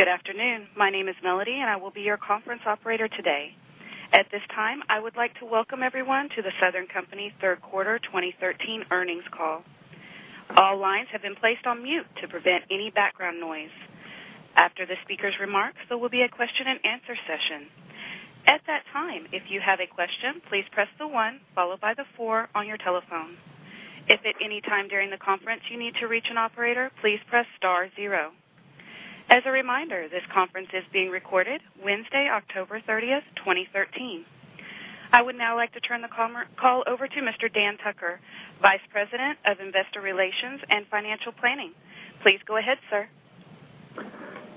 Good afternoon. My name is Melody, and I will be your conference operator today. At this time, I would like to welcome everyone to The Southern Company Third Quarter 2013 earnings call. All lines have been placed on mute to prevent any background noise. After the speaker's remarks, there will be a question and answer session. At that time, if you have a question, please press the one followed by the four on your telephone. If at any time during the conference you need to reach an operator, please press star zero. As a reminder, this conference is being recorded Wednesday, October 30th, 2013. I would now like to turn the call over to Mr. Dan Tucker, Vice President of Investor Relations and Financial Planning. Please go ahead, sir.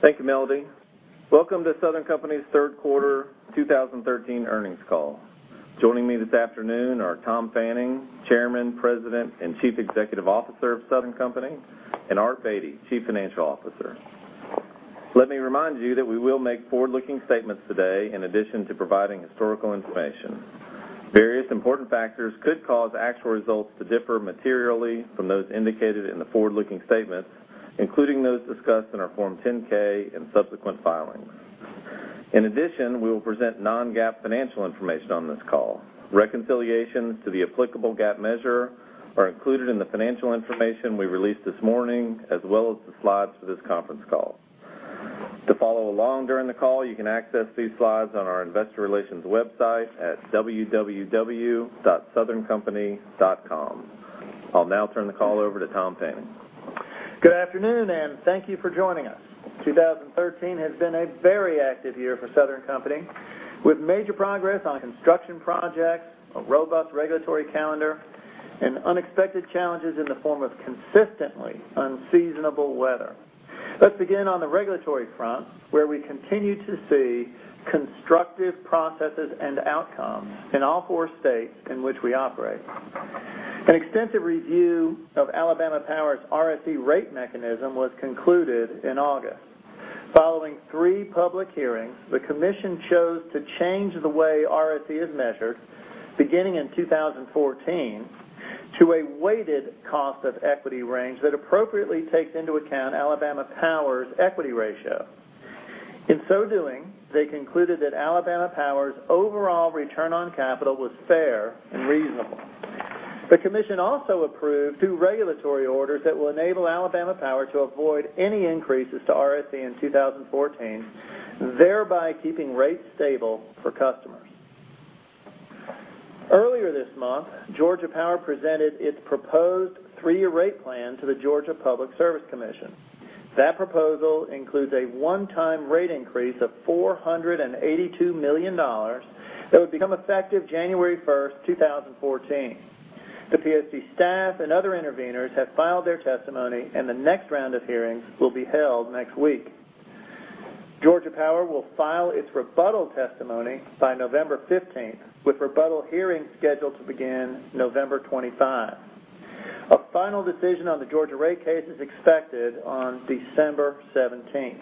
Thank you, Melody. Welcome to Southern Company's third quarter 2013 earnings call. Joining me this afternoon are Tom Fanning, Chairman, President, and Chief Executive Officer of Southern Company, and Art Beattie, Chief Financial Officer. Let me remind you that we will make forward-looking statements today in addition to providing historical information. Various important factors could cause actual results to differ materially from those indicated in the forward-looking statements, including those discussed in our Form 10-K and subsequent filings. In addition, we will present non-GAAP financial information on this call. Reconciliations to the applicable GAAP measure are included in the financial information we released this morning, as well as the slides for this conference call. To follow along during the call, you can access these slides on our investor relations website at www.southerncompany.com. I'll now turn the call over to Tom Fanning. Good afternoon. Thank you for joining us. 2013 has been a very active year for Southern Company, with major progress on construction projects, a robust regulatory calendar, and unexpected challenges in the form of consistently unseasonable weather. Let's begin on the regulatory front, where we continue to see constructive processes and outcomes in all four states in which we operate. An extensive review of Alabama Power's RFC rate mechanism was concluded in August. Following three public hearings, the commission chose to change the way RFC is measured beginning in 2014 to a weighted cost of equity range that appropriately takes into account Alabama Power's equity ratio. In so doing, they concluded that Alabama Power's overall return on capital was fair and reasonable. The commission also approved two regulatory orders that will enable Alabama Power to avoid any increases to RFC in 2014, thereby keeping rates stable for customers. Earlier this month, Georgia Power presented its proposed three-year rate plan to the Georgia Public Service Commission. That proposal includes a one-time rate increase of $482 million that would become effective January 1st, 2014. The PSC staff and other interveners have filed their testimony. The next round of hearings will be held next week. Georgia Power will file its rebuttal testimony by November 15th, with rebuttal hearings scheduled to begin November 25. A final decision on the Georgia rate case is expected on December 17th.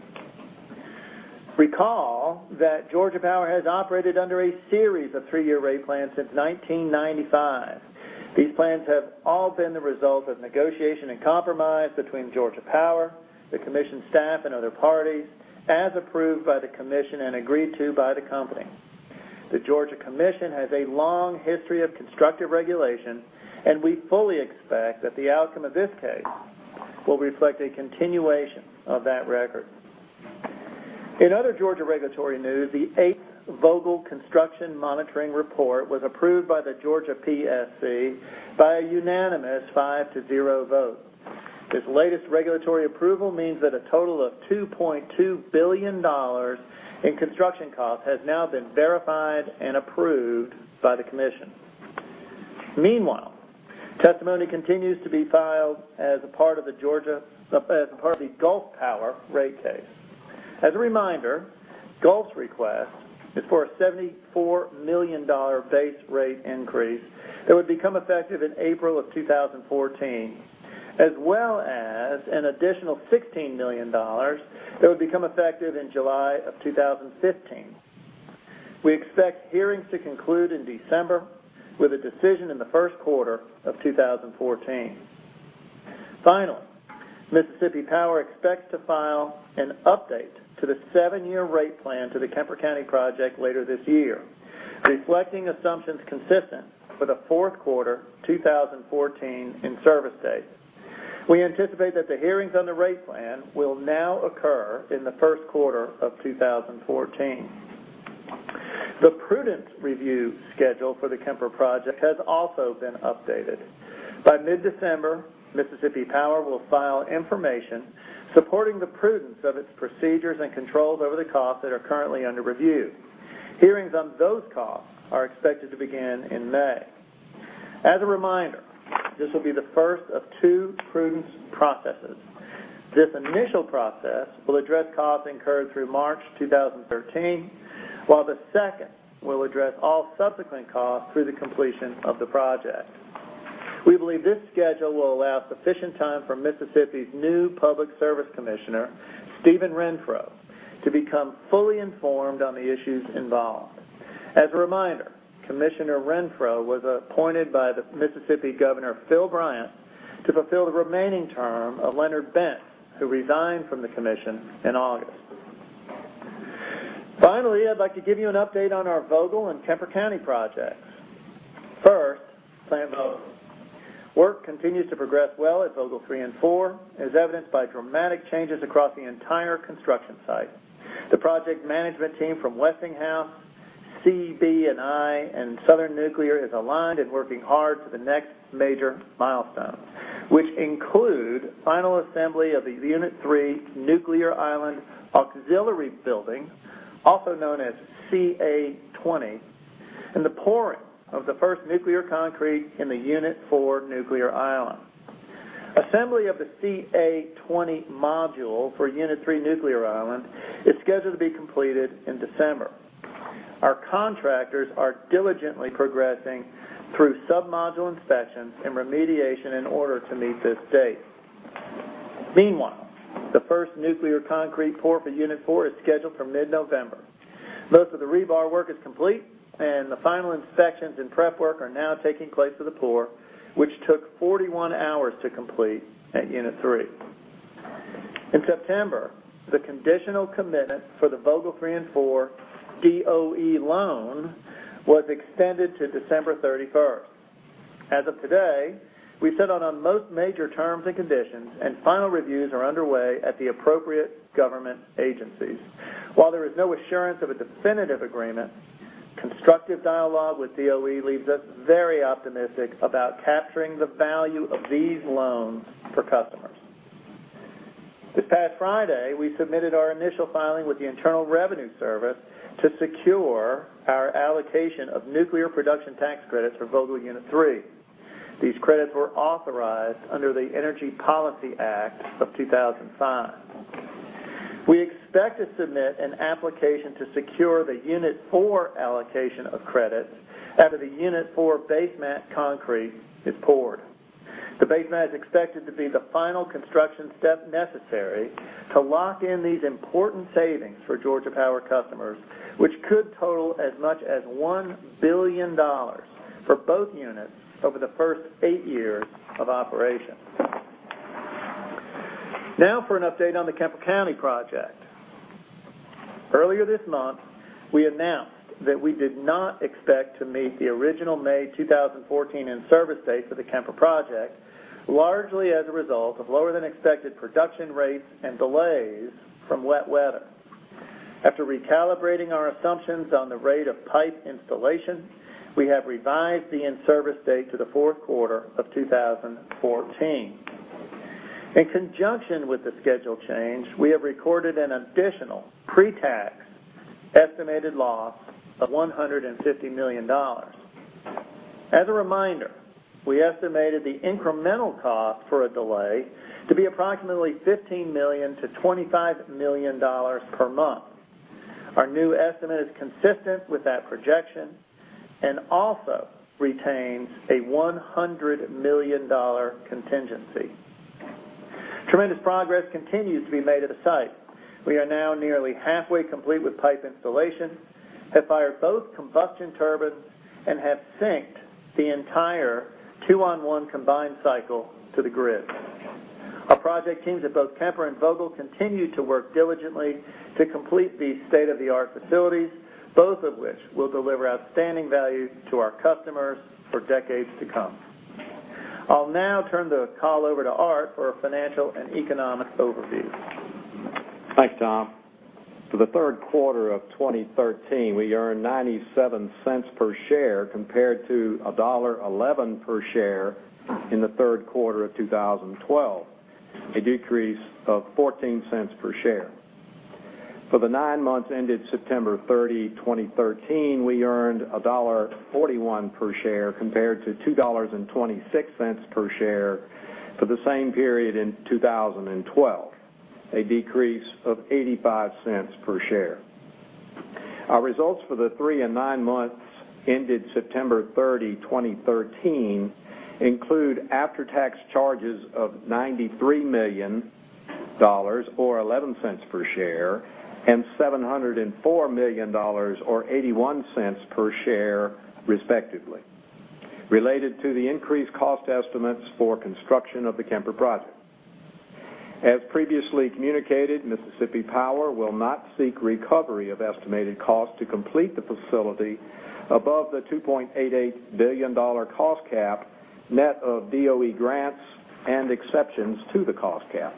Recall that Georgia Power has operated under a series of three-year rate plans since 1995. These plans have all been the result of negotiation and compromise between Georgia Power, the commission staff, and other parties, as approved by the commission and agreed to by the company. The Georgia Commission has a long history of constructive regulation. We fully expect that the outcome of this case will reflect a continuation of that record. In other Georgia regulatory news, the eighth Vogtle construction monitoring report was approved by the Georgia PSC by a unanimous 5 to 0 vote. This latest regulatory approval means that a total of $2.2 billion in construction costs has now been verified and approved by the commission. Meanwhile, testimony continues to be filed as a part of the Gulf Power rate case. As a reminder, Gulf's request is for a $74 million base rate increase that would become effective in April 2014, as well as an additional $16 million that would become effective in July 2015. We expect hearings to conclude in December with a decision in the first quarter 2014. Finally, Mississippi Power expects to file an update to the 7-year rate plan to the Kemper County project later this year, reflecting assumptions consistent with a fourth quarter 2014 in-service date. We anticipate that the hearings on the rate plan will now occur in the first quarter 2014. The prudence review schedule for the Kemper project has also been updated. By mid-December, Mississippi Power will file information supporting the prudence of its procedures and controls over the costs that are currently under review. Hearings on those costs are expected to begin in May. As a reminder, this will be the first of two prudence processes. This initial process will address costs incurred through March 2013, while the second will address all subsequent costs through the completion of the project. We believe this schedule will allow sufficient time for Mississippi's new public service commissioner, Steve Renfroe, to become fully informed on the issues involved. As a reminder, Commissioner Renfroe was appointed by the Mississippi governor, Phil Bryant, to fulfill the remaining term of Leonard Bentz, who resigned from the commission in August. Finally, I'd like to give you an update on our Vogtle and Kemper County projects. First, Plant Vogtle. Work continues to progress well at Vogtle 3 and 4, as evidenced by dramatic changes across the entire construction site. The project management team from Westinghouse, CB&I, and Southern Nuclear is aligned and working hard to the next major milestones, which include final assembly of the Unit 3 nuclear island auxiliary building, also known as CA20, and the pouring of the first nuclear concrete in the Unit 4 nuclear island. Assembly of the CA20 module for Unit 3 nuclear island is scheduled to be completed in December. Our contractors are diligently progressing through sub-module inspections and remediation in order to meet this date. Meanwhile, the first nuclear concrete pour for Unit 4 is scheduled for mid-November. Most of the rebar work is complete, and the final inspections and prep work are now taking place for the pour, which took 41 hours to complete at Unit 3. In September, the conditional commitment for the Vogtle 3 and 4 DOE loan was extended to December 31st. As of today, we've settled on most major terms and conditions, and final reviews are underway at the appropriate government agencies. While there is no assurance of a definitive agreement, constructive dialogue with DOE leaves us very optimistic about capturing the value of these loans for customers. This past Friday, we submitted our initial filing with the Internal Revenue Service to secure our allocation of nuclear production tax credits for Vogtle Unit 3. These credits were authorized under the Energy Policy Act of 2005. We expect to submit an application to secure the Unit 4 allocation of credits after the Unit 4 base mat concrete is poured. The base mat is expected to be the final construction step necessary to lock in these important savings for Georgia Power customers, which could total as much as $1 billion for both units over the first eight years of operation. For an update on the Kemper County project. Earlier this month, we announced that we did not expect to meet the original May 2014 in-service date for the Kemper project, largely as a result of lower-than-expected production rates and delays from wet weather. After recalibrating our assumptions on the rate of pipe installation, we have revised the in-service date to the fourth quarter of 2014. In conjunction with the schedule change, we have recorded an additional pre-tax estimated loss of $150 million. As a reminder, we estimated the incremental cost for a delay to be approximately $15 million to $25 million per month. Our new estimate is consistent with that projection and also retains a $100 million contingency. Tremendous progress continues to be made at the site. We are now nearly halfway complete with pipe installation, have fired both combustion turbines, and have synced the entire two-on-one combined cycle to the grid. Our project teams at both Kemper and Vogtle continue to work diligently to complete these state-of-the-art facilities, both of which will deliver outstanding value to our customers for decades to come. I'll now turn the call over to Art for a financial and economic overview. Thanks, Tom. For the third quarter of 2013, we earned $0.97 per share compared to $1.11 per share in the third quarter of 2012, a decrease of $0.14 per share. For the nine months ended September 30, 2013, we earned $1.41 per share compared to $2.26 per share for the same period in 2012, a decrease of $0.85 per share. Our results for the three and nine months ended September 30, 2013 include after-tax charges of $93 million, or $0.11 per share, and $704 million, or $0.81 per share, respectively, related to the increased cost estimates for construction of the Kemper project. As previously communicated, Mississippi Power will not seek recovery of estimated costs to complete the facility above the $2.88 billion cost cap, net of DOE grants and exceptions to the cost cap.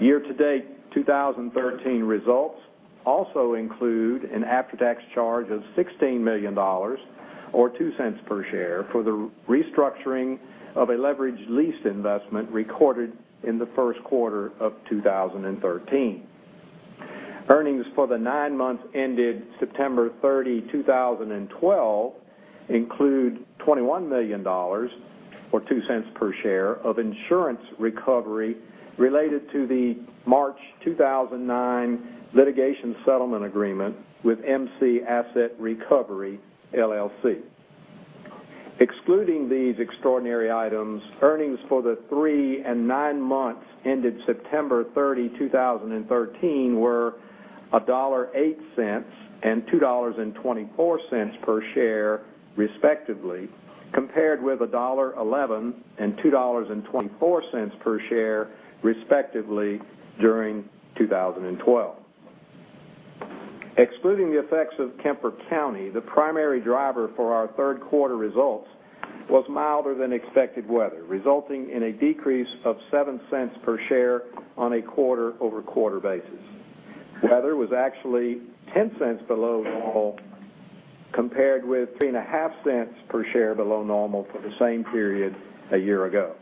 Year-to-date 2013 results also include an after-tax charge of $16 million, or $0.02 per share, for the restructuring of a leveraged lease investment recorded in the first quarter of 2013. Earnings for the nine months ended September 30, 2012 include $21 million, or $0.02 per share, of insurance recovery related to the March 2009 litigation settlement agreement with MC Asset Recovery, LLC. Excluding these extraordinary items, earnings for the three and nine months ended September 30, 2013, were $1.08 and $2.24 per share respectively, compared with $1.11 and $2.24 per share respectively during 2012. Excluding the effects of Kemper County, the primary driver for our third quarter results was milder than expected weather, resulting in a decrease of $0.07 per share on a quarter-over-quarter basis. Weather was actually $0.10 below normal compared with $0.035 per share below normal for the same period a year ago.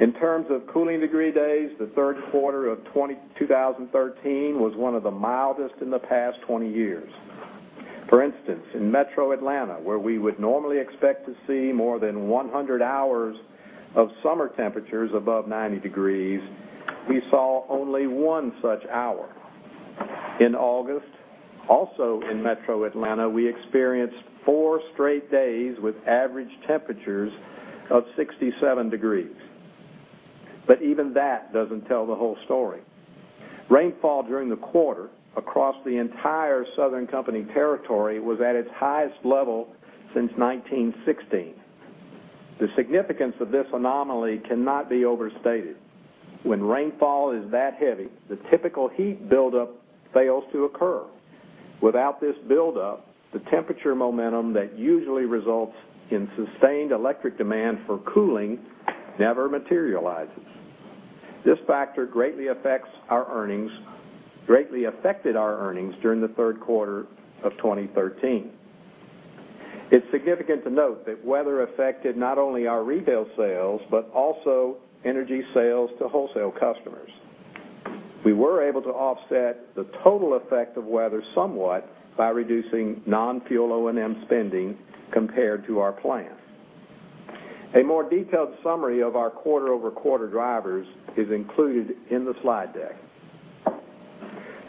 In terms of cooling degree days, the third quarter of 2013 was one of the mildest in the past 20 years. For instance, in Metro Atlanta, where we would normally expect to see more than 100 hours of summer temperatures above 90 degrees, we saw only one such hour. In August, also in Metro Atlanta, we experienced four straight days with average temperatures of 67 degrees. Even that doesn't tell the whole story. Rainfall during the quarter across the entire Southern Company territory was at its highest level since 1916. The significance of this anomaly cannot be overstated. When rainfall is that heavy, the typical heat buildup fails to occur. Without this buildup, the temperature momentum that usually results in sustained electric demand for cooling never materializes. This factor greatly affected our earnings during the third quarter of 2013. It's significant to note that weather affected not only our retail sales, but also energy sales to wholesale customers. We were able to offset the total effect of weather somewhat by reducing non-fuel O&M spending compared to our plan. A more detailed summary of our quarter-over-quarter drivers is included in the slide deck.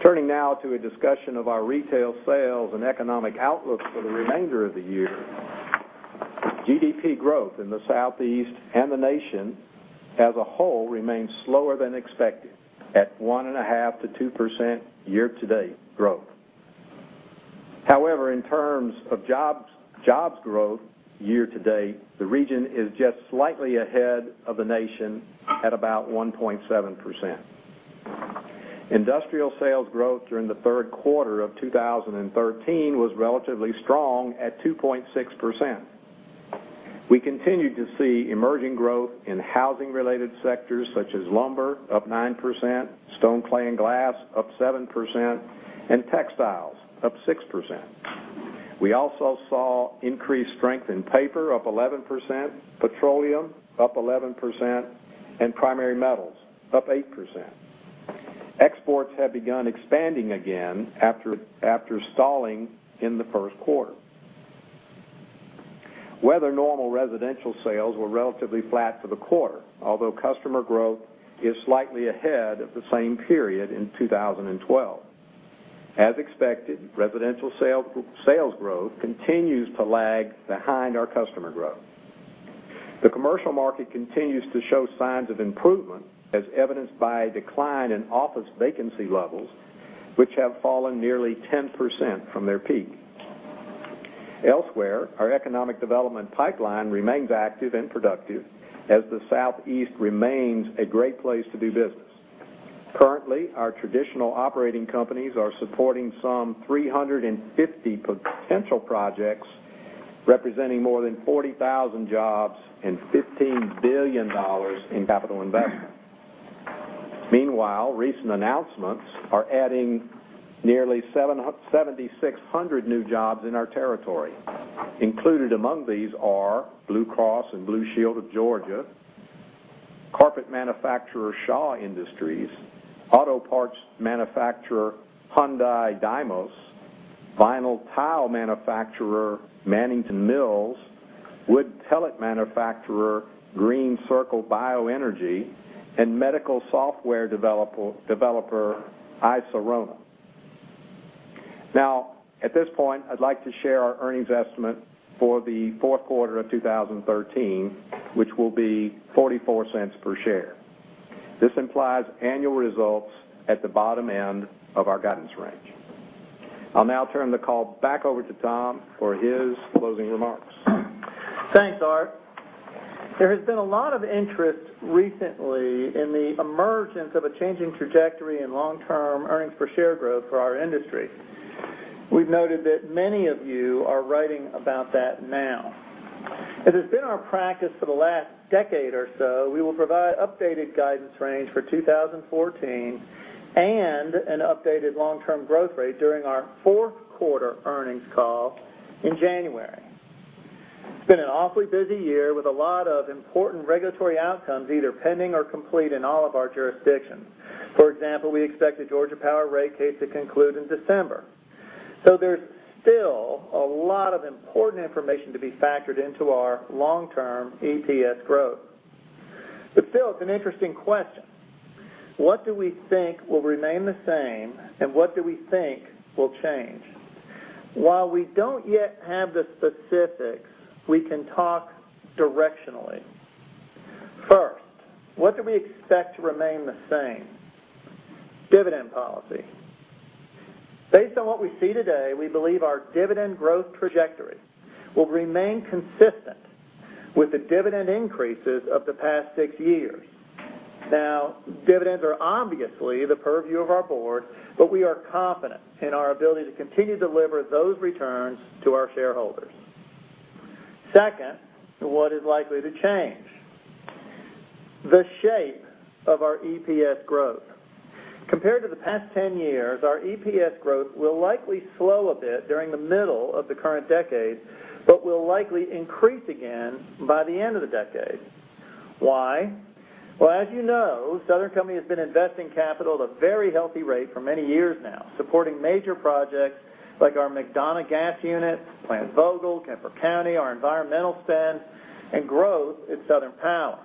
Turning now to a discussion of our retail sales and economic outlook for the remainder of the year. GDP growth in the Southeast and the nation as a whole remains slower than expected at 1.5%-2% year-to-date growth. However, in terms of jobs growth year to date, the region is just slightly ahead of the nation at about 1.7%. Industrial sales growth during the third quarter of 2013 was relatively strong at 2.6%. We continue to see emerging growth in housing-related sectors such as lumber, up 9%, stone, clay, and glass up 7%, and textiles up 6%. We also saw increased strength in paper up 11%, petroleum up 11%, and primary metals up 8%. Exports have begun expanding again after stalling in the first quarter. Weather-normal residential sales were relatively flat for the quarter, although customer growth is slightly ahead of the same period in 2012. As expected, residential sales growth continues to lag behind our customer growth. The commercial market continues to show signs of improvement, as evidenced by a decline in office vacancy levels, which have fallen nearly 10% from their peak. Elsewhere, our economic development pipeline remains active and productive as the Southeast remains a great place to do business. Currently, our traditional operating companies are supporting some 350 potential projects, representing more than 40,000 jobs and $15 billion in capital investment. Meanwhile, recent announcements are adding nearly 7,600 new jobs in our territory. Included among these are Blue Cross and Blue Shield of Georgia, carpet manufacturer Shaw Industries, auto parts manufacturer Hyundai Dymos, vinyl tile manufacturer Mannington Mills, wood pellet manufacturer Green Circle Bio Energy, and medical software developer iSirona. At this point, I'd like to share our earnings estimate for the fourth quarter of 2013, which will be $0.44 per share. This implies annual results at the bottom end of our guidance range. I'll now turn the call back over to Tom for his closing remarks. Thanks, Art. There has been a lot of interest recently in the emergence of a changing trajectory in long-term earnings per share growth for our industry. We've noted that many of you are writing about that now. It has been our practice for the last decade or so, we will provide updated guidance range for 2014 and an updated long-term growth rate during our fourth quarter earnings call in January. It's been an awfully busy year with a lot of important regulatory outcomes either pending or complete in all of our jurisdictions. For example, we expect the Georgia Power rate case to conclude in December. There's still a lot of important information to be factored into our long-term EPS growth. Still, it's an interesting question. What do we think will remain the same, and what do we think will change? While we don't yet have the specifics, we can talk directionally. First, what do we expect to remain the same? Dividend policy. Based on what we see today, we believe our dividend growth trajectory will remain consistent with the dividend increases of the past six years. Dividends are obviously the purview of our board, but we are confident in our ability to continue to deliver those returns to our shareholders. Second, what is likely to change? The shape of our EPS growth. Compared to the past 10 years, our EPS growth will likely slow a bit during the middle of the current decade, but will likely increase again by the end of the decade. Why? Well, as you know, Southern Company has been investing capital at a very healthy rate for many years now, supporting major projects like our McDonough gas unit, Plant Vogtle, Kemper County, our environmental spend, and growth in Southern Power.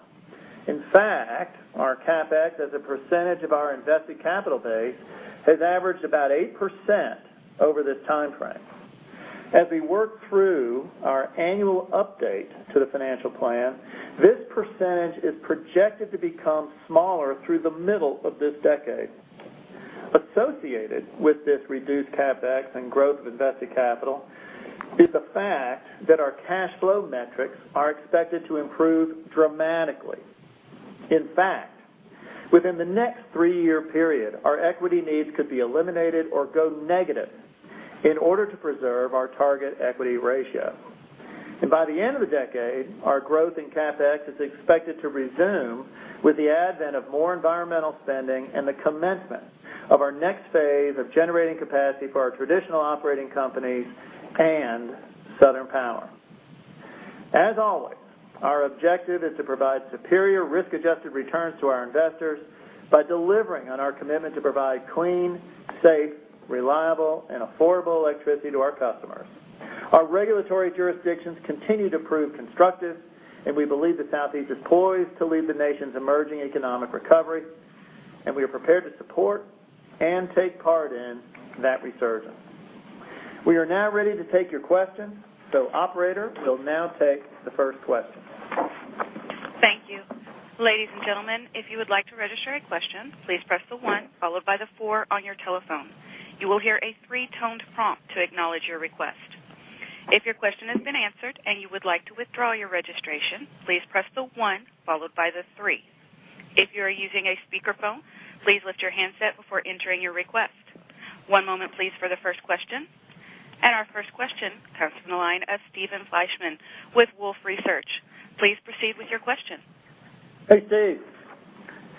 In fact, our CapEx as a percentage of our invested capital base has averaged about 8% over this timeframe. As we work through our annual update to the financial plan, this percentage is projected to become smaller through the middle of this decade. Associated with this reduced CapEx and growth of invested capital is the fact that our cash flow metrics are expected to improve dramatically. In fact, within the next three-year period, our equity needs could be eliminated or go negative in order to preserve our target equity ratio. By the end of the decade, our growth in CapEx is expected to resume with the advent of more environmental spending and the commencement of our next phase of generating capacity for our traditional operating companies and Southern Power. As always, our objective is to provide superior risk-adjusted returns to our investors by delivering on our commitment to provide clean, safe, reliable, and affordable electricity to our customers. Our regulatory jurisdictions continue to prove constructive, and we believe the Southeast is poised to lead the nation's emerging economic recovery, and we are prepared to support and take part in that resurgence. We are now ready to take your questions. Operator, we'll now take the first question. Thank you. Ladies and gentlemen, if you would like to register a question, please press the one followed by the four on your telephone. You will hear a three-toned prompt to acknowledge your request. If your question has been answered and you would like to withdraw your registration, please press the one followed by the three. If you are using a speakerphone, please lift your handset before entering your request. One moment, please, for the first question. Our first question comes from the line of Steven Fleishman with Wolfe Research. Please proceed with your question. Hey, Steve.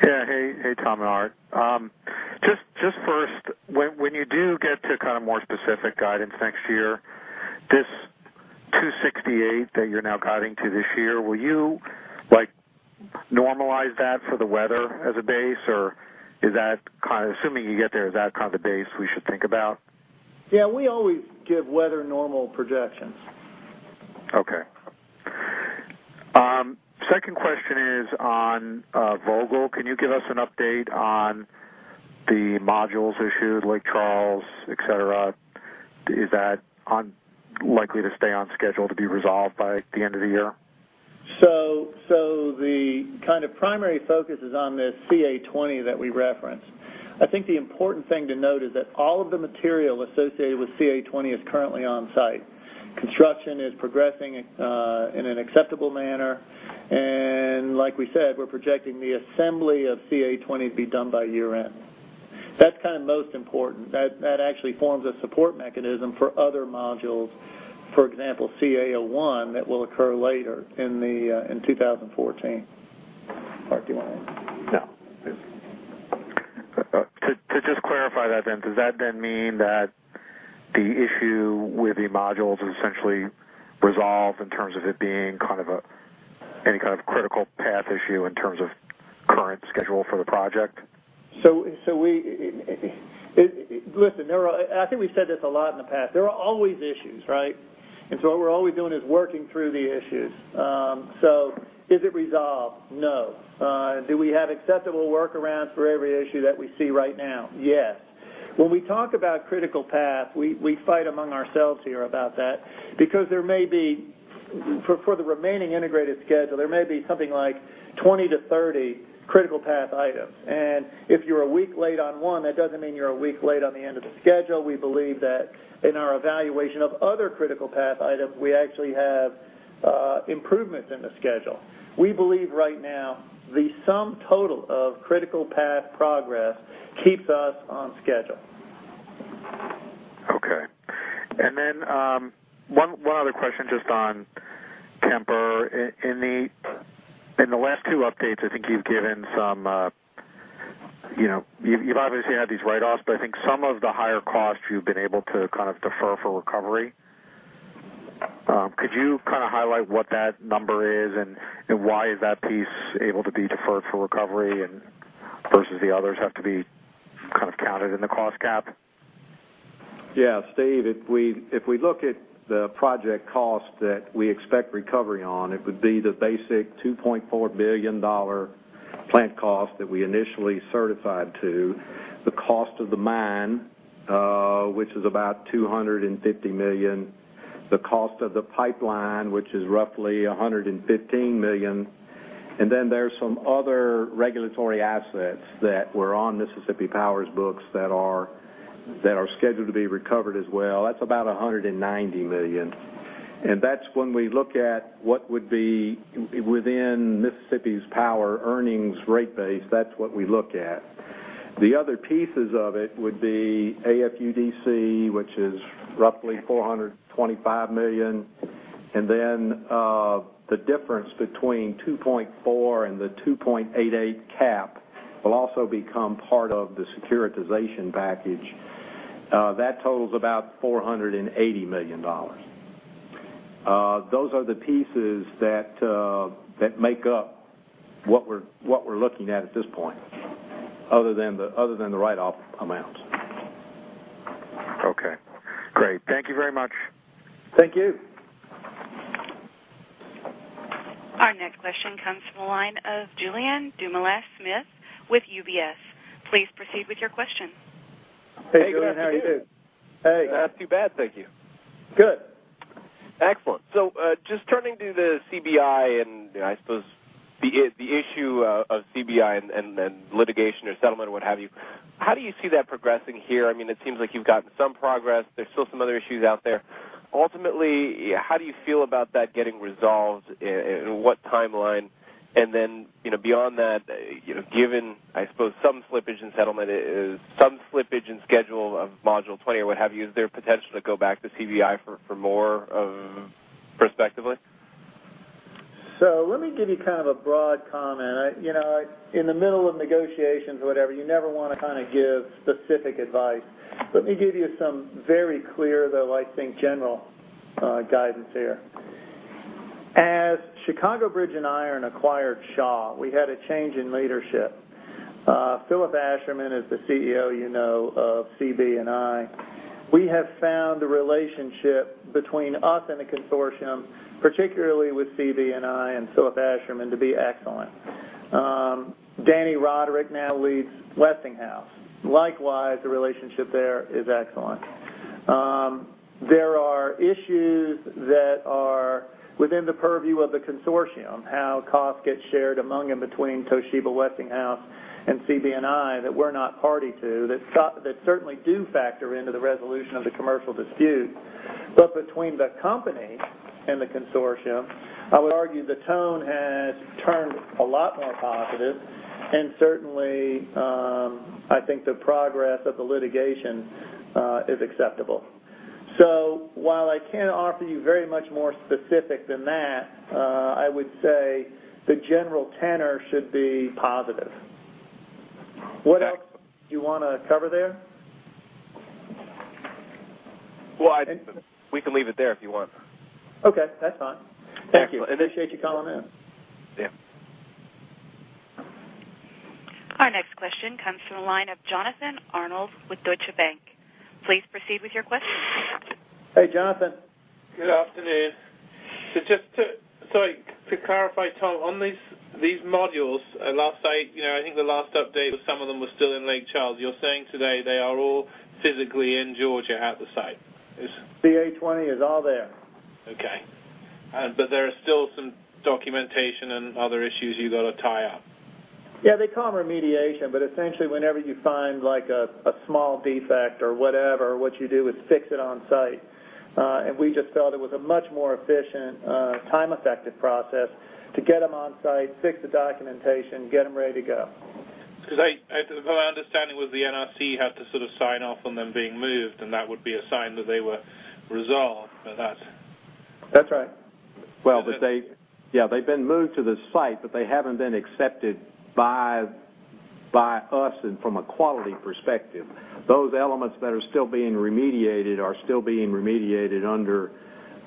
Yeah. Hey, Tom and Art. Just first, when you do get to more specific guidance next year, this 268 that you're now guiding to this year, will you normalize that for the weather as a base? Assuming you get there, is that the base we should think about? Yeah, we always give weather normal projections. Okay. Second question is on Vogtle. Can you give us an update on the modules issued, Lake Charles, et cetera? Is that likely to stay on schedule to be resolved by the end of the year? The primary focus is on this CA20 that we referenced. I think the important thing to note is that all of the material associated with CA20 is currently on site. Construction is progressing in an acceptable manner, and like we said, we're projecting the assembly of CA20 to be done by year-end. That's most important. That actually forms a support mechanism for other modules, for example, CA-01, that will occur later in 2014. Art, do you want to add? No. To just clarify that then, does that then mean that the issue with the modules is essentially resolved in terms of it being any kind of critical path issue in terms of current schedule for the project? Listen, I think we've said this a lot in the past. There are always issues, right? What we're always doing is working through the issues. Is it resolved? No. Do we have acceptable workarounds for every issue that we see right now? Yes. When we talk about critical path, we fight among ourselves here about that because for the remaining integrated schedule, there may be something like 20 to 30 critical path items. If you're a week late on one, that doesn't mean you're a week late on the end of the schedule. We believe that in our evaluation of other critical path items, we actually have improvements in the schedule. We believe right now the sum total of critical path progress keeps us on schedule. Okay. One other question just on Kemper. In the last two updates, I think you've obviously had these write-offs, but I think some of the higher costs you've been able to defer for recovery. Could you highlight what that number is, and why is that piece able to be deferred for recovery versus the others have to be counted in the cost cap? Yeah, Steve, if we look at the project cost that we expect recovery on, it would be the basic $2.4 billion plant cost that we initially certified to, the cost of the mine, which is about $250 million, the cost of the pipeline, which is roughly $115 million, there's some other regulatory assets that were on Mississippi Power's books that are scheduled to be recovered as well. That's about $190 million. That's when we look at what would be within Mississippi Power's earnings rate base. That's what we look at. The other pieces of it would be AFUDC, which is roughly $425 million. The difference between 2.4 and the 2.88 cap will also become part of the securitization package. That totals about $480 million. Those are the pieces that make up what we're looking at at this point, other than the write-off amount. Okay, great. Thank you very much. Thank you. Our next question comes from the line of Julien Dumoulin-Smith with UBS. Please proceed with your question. Hey, Julien, how are you doing? Hey. Not too bad, thank you. Good. Excellent. Just turning to the CB&I and I suppose the issue of CB&I and then litigation or settlement, what have you, how do you see that progressing here? It seems like you've gotten some progress. There's still some other issues out there. Ultimately, how do you feel about that getting resolved? In what timeline? Beyond that, given, I suppose, some slippage in settlement, some slippage in schedule of module 20 or what have you, is there potential to go back to CB&I for more prospectively? Let me give you kind of a broad comment. In the middle of negotiations, whatever, you never want to give specific advice. Let me give you some very clear, though, I think general guidance here. As Chicago Bridge & Iron acquired Shaw, we had a change in leadership. Philip Asherman is the CEO of CB&I. We have found the relationship between us and the consortium, particularly with CB&I and Philip Asherman, to be excellent. Danny Roderick now leads Westinghouse. Likewise, the relationship there is excellent. There are issues that are within the purview of the consortium, how costs get shared among and between Toshiba, Westinghouse, and CB&I that we're not party to that certainly do factor into the resolution of the commercial dispute. Between the company and the consortium, I would argue the tone has turned a lot more positive, and certainly, I think the progress of the litigation is acceptable. While I can't offer you very much more specific than that, I would say the general tenor should be positive. What else do you want to cover there? Well, I think we can leave it there if you want. Okay, that's fine. Thank you. Appreciate you calling in. Yeah. Our next question comes from the line of Jonathan Arnold with Deutsche Bank. Please proceed with your question. Hey, Jonathan. Good afternoon. Just to clarify, Tom, on these modules, I think the last update was some of them were still in Lake Charles. You're saying today they are all physically in Georgia at the site? CA20 is all there. Okay. There are still some documentation and other issues you've got to tie up. Yeah, they call them remediation, essentially, whenever you find a small defect or whatever, what you do is fix it on-site. We just felt it was a much more efficient, time-effective process to get them on-site, fix the documentation, get them ready to go. My understanding was the NRC had to sort of sign off on them being moved, and that would be a sign that they were resolved. That's That's right. Well, they've been moved to the site, they haven't been accepted by us and from a quality perspective. Those elements that are still being remediated are still being remediated under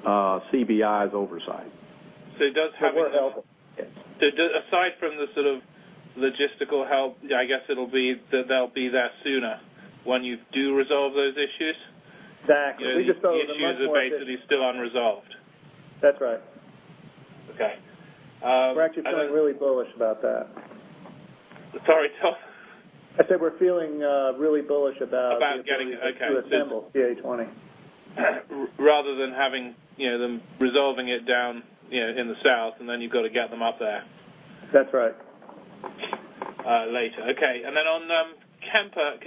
CB&I's oversight. It does have- For help, yes. Aside from the sort of logistical help, I guess they'll be there sooner when you do resolve those issues? Exactly. We just thought it was much more efficient. The issues are basically still unresolved. That's right. Okay. We're actually feeling really bullish about that. Sorry, Tom? I said we're feeling really bullish about. About getting. to assemble CA20. Rather than having them resolving it down in the South, and then you've got to get them up there. That's right. Later. Okay. On Kemper, I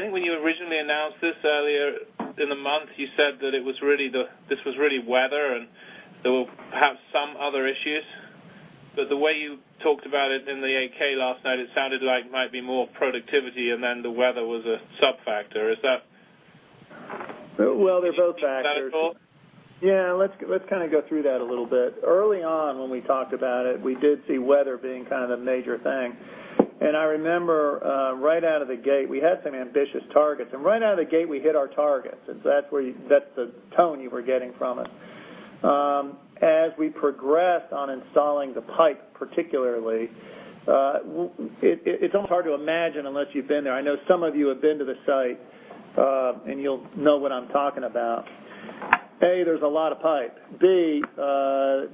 think when you originally announced this earlier in the month, you said that this was really weather, and there were perhaps some other issues. The way you talked about it in the 10-K last night, it sounded like it might be more productivity, then the weather was a sub-factor. Is that? Well, they're both factors. truthful? Yeah, let's go through that a little bit. Early on when we talked about it, we did see weather being kind of the major thing. I remember right out of the gate, we had some ambitious targets, right out of the gate, we hit our targets. That's the tone you were getting from us. As we progress on installing the pipe, particularly, it's almost hard to imagine unless you've been there. I know some of you have been to the site, and you'll know what I'm talking about. A, there's a lot of pipe. B,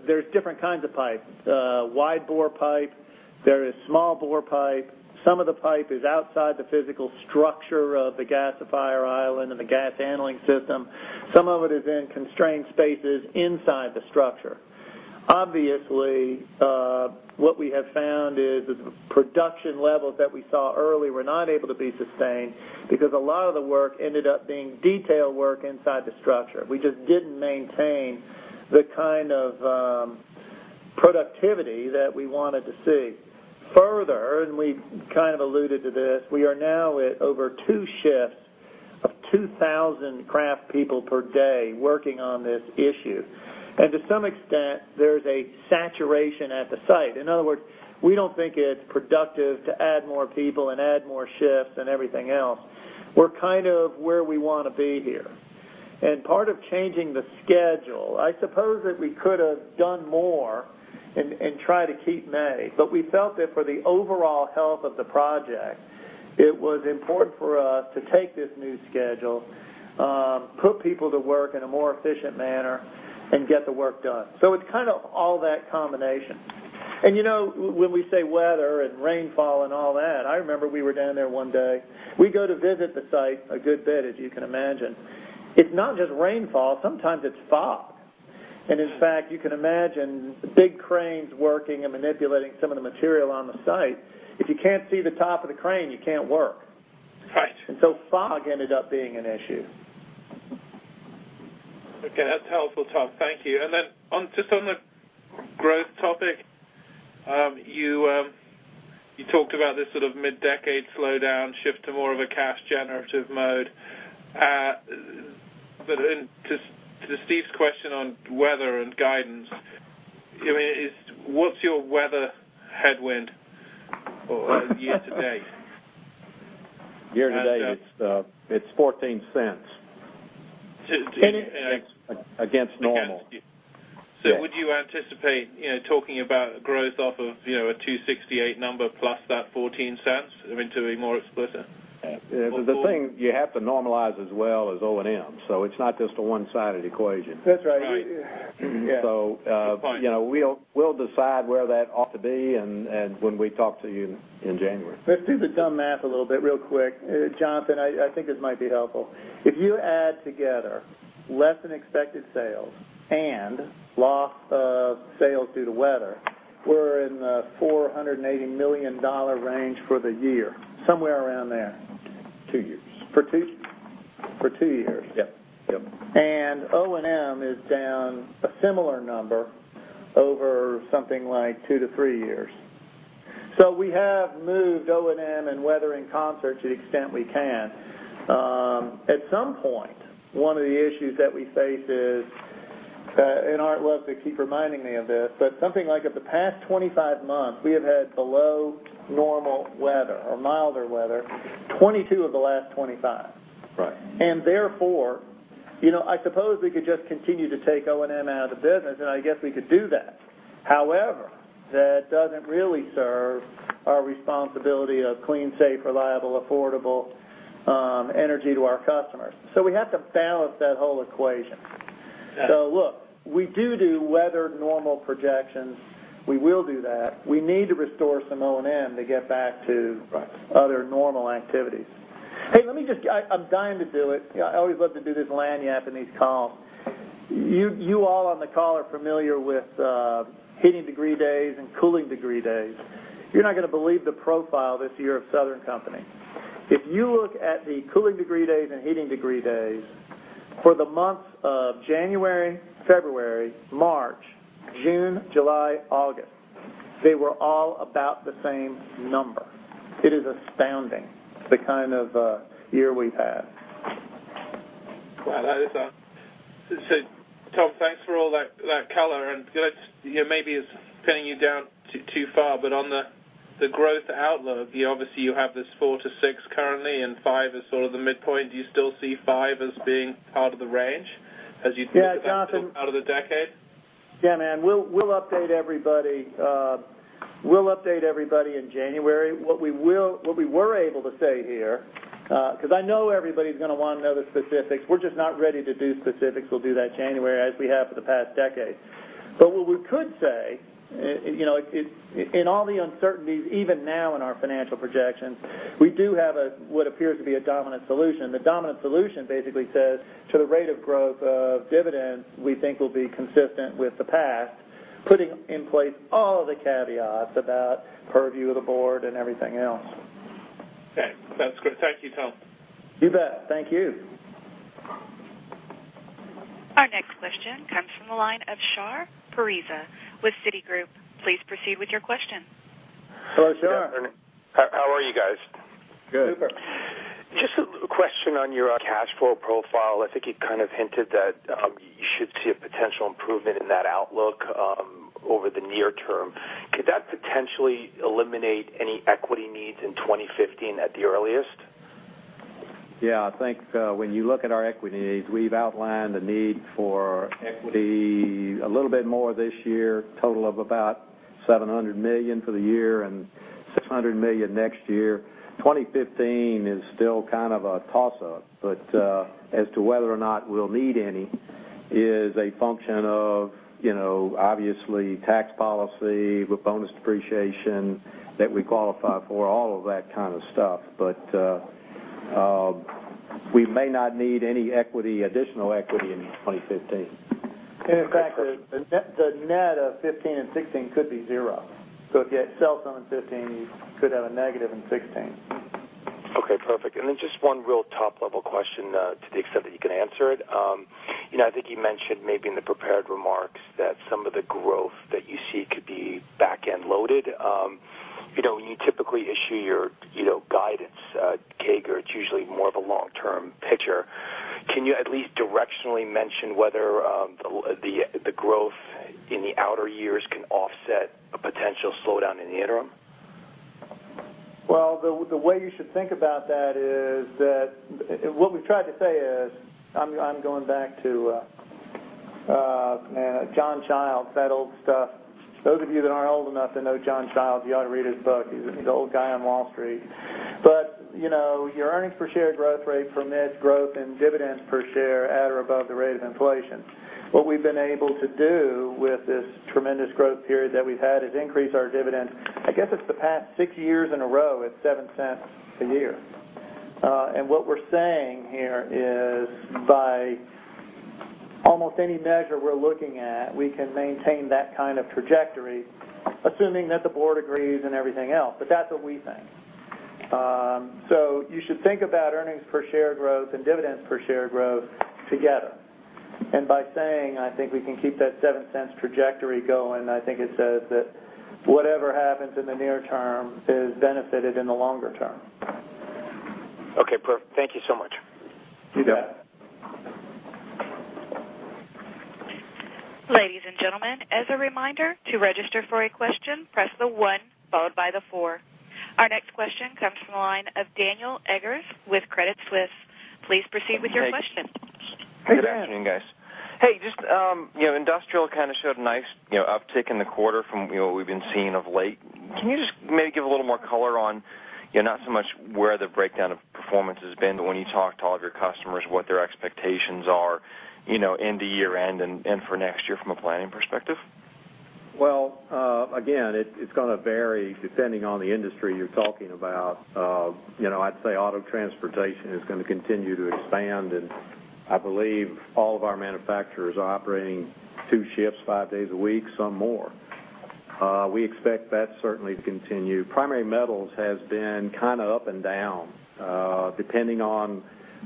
there's different kinds of pipe. Wide bore pipe, there is small bore pipe. Some of the pipe is outside the physical structure of the gasifier island and the gas handling system. Some of it is in constrained spaces inside the structure. Obviously, what we have found is the production levels that we saw early were not able to be sustained because a lot of the work ended up being detail work inside the structure. We just didn't maintain the kind of productivity that we wanted to see. Further, we kind of alluded to this, we are now at over 2 shifts of 2,000 craft people per day working on this issue. To some extent, there's a saturation at the site. In other words, we don't think it's productive to add more people and add more shifts and everything else. We're kind of where we want to be here. Part of changing the schedule, I suppose that we could have done more and tried to keep May. We felt that for the overall health of the project, it was important for us to take this new schedule, put people to work in a more efficient manner, and get the work done. It's kind of all that combination. When we say weather and rainfall and all that, I remember we were down there one day. We go to visit the site a good bit, as you can imagine. It's not just rainfall, sometimes it's fog. In fact, you can imagine the big cranes working and manipulating some of the material on the site. If you can't see the top of the crane, you can't work. Right. Fog ended up being an issue. Okay, that's helpful, Tom. Thank you. Just on the growth topic, you talked about this sort of mid-decade slowdown shift to more of a cash generative mode. Then to Steve's question on weather and guidance, what's your weather headwind year-to-date? Year to date, it's $0.14. To- Against normal. Would you anticipate talking about growth off of a 268 number plus that $0.14, to be more explicit? The thing you have to normalize as well is O&M. It's not just a one-sided equation. That's right. Right. Good point. We'll decide where that ought to be and when we talk to you in January. Let's do the dumb math a little bit real quick. Jonathan, I think this might be helpful. If you add together less than expected sales and loss of sales due to weather, we're in the $480 million range for the year, somewhere around there. Two years. For two years? Yep. O&M is down a similar number over something like two to three years. We have moved O&M and weather in concert to the extent we can. At some point, one of the issues that we face is, and Art loves to keep reminding me of this, but something like of the past 25 months, we have had below normal weather or milder weather 22 of the last 25. Right. Therefore, I suppose we could just continue to take O&M out of the business, and I guess we could do that. However, that doesn't really serve our responsibility of clean, safe, reliable, affordable energy to our customers. We have to balance that whole equation. Yeah. Look, we do do weather normal projections. We will do that. We need to restore some O&M to get back to other normal activities. Hey, let me just. I'm dying to do it. I always love to do this lagniappe in these calls. You all on the call are familiar with heating degree days and cooling degree days. You're not going to believe the profile this year of Southern Company. If you look at the cooling degree days and heating degree days for the months of January, February, March, June, July, August, they were all about the same number. It is astounding the kind of year we've had. Wow, Tom, thanks for all that color. Maybe it's pinning you down too far, but on the growth outlook, obviously you have this four to six currently, and five is sort of the midpoint. Do you still see five as being part of the range as you think about- Yeah, Jonathan out of the decade? Yeah, man. We'll update everybody in January. What we were able to say here, because I know everybody's going to want to know the specifics. We're just not ready to do specifics. We'll do that January, as we have for the past decade. What we could say, in all the uncertainties, even now in our financial projections, we do have what appears to be a dominant solution. The dominant solution basically says to the rate of growth of dividends, we think will be consistent with the past, putting in place all the caveats about purview of the board and everything else. Okay, that's great. Thank you, Tom. You bet. Thank you. Our next question comes from the line of Shar Pourreza with Citigroup. Please proceed with your question. Hello, Shar. Good afternoon. How are you guys? Good. Super. Just a question on your cash flow profile. I think you kind of hinted that you should see a potential improvement in that outlook over the near term. Could that potentially eliminate any equity needs in 2015 at the earliest? Yeah. I think when you look at our equities, we've outlined the need for equity a little bit more this year, total of about $700 million for the year and $600 million next year. 2015 is still kind of a toss-up. As to whether or not we'll need any is a function of obviously tax policy with bonus depreciation that we qualify for, all of that kind of stuff. We may not need any additional equity in 2015. In fact, the net of 2015 and 2016 could be zero. If you had sales on in 2015, you could have a negative in 2016. Okay, perfect. Just one real top-level question to the extent that you can answer it. I think you mentioned maybe in the prepared remarks that some of the growth that you see could be back-end loaded. When you typically issue your guidance CAGR, it's usually more of a long-term picture. Can you at least directionally mention whether the growth in the outer years can offset a potential slowdown in the interim? The way you should think about that is that what we've tried to say is, I'm going back to John Childs, that old stuff. Those of you that aren't old enough to know John Childs, you ought to read his book. He's an old guy on Wall Street. Your earnings per share growth rate permits growth and dividends per share at or above the rate of inflation. What we've been able to do with this tremendous growth period that we've had is increase our dividend. I guess it's the past six years in a row at $0.07 a year. What we're saying here is by almost any measure we're looking at, we can maintain that kind of trajectory, assuming that the board agrees and everything else. That's what we think. You should think about earnings per share growth and dividends per share growth together. By saying, I think we can keep that $0.07 trajectory going, I think it says that whatever happens in the near term is benefited in the longer term. Okay, perfect. Thank you so much. You bet. Ladies and gentlemen, as a reminder, to register for a question, press the one followed by the four. Our next question comes from the line of Daniel Eggers with Credit Suisse. Please proceed with your question. Hey, Dan. Good afternoon, guys. Hey, just industrial kind of showed a nice uptick in the quarter from what we've been seeing of late. Can you just maybe give a little more color on, not so much where the breakdown of performance has been, but when you talk to all of your customers, what their expectations are into year-end and for next year from a planning perspective? Well, again, it's going to vary depending on the industry you're talking about. I'd say auto transportation is going to continue to expand, and I believe all of our manufacturers are operating two shifts, five days a week, some more. We expect that certainly to continue. Primary metals has been kind of up and down depending on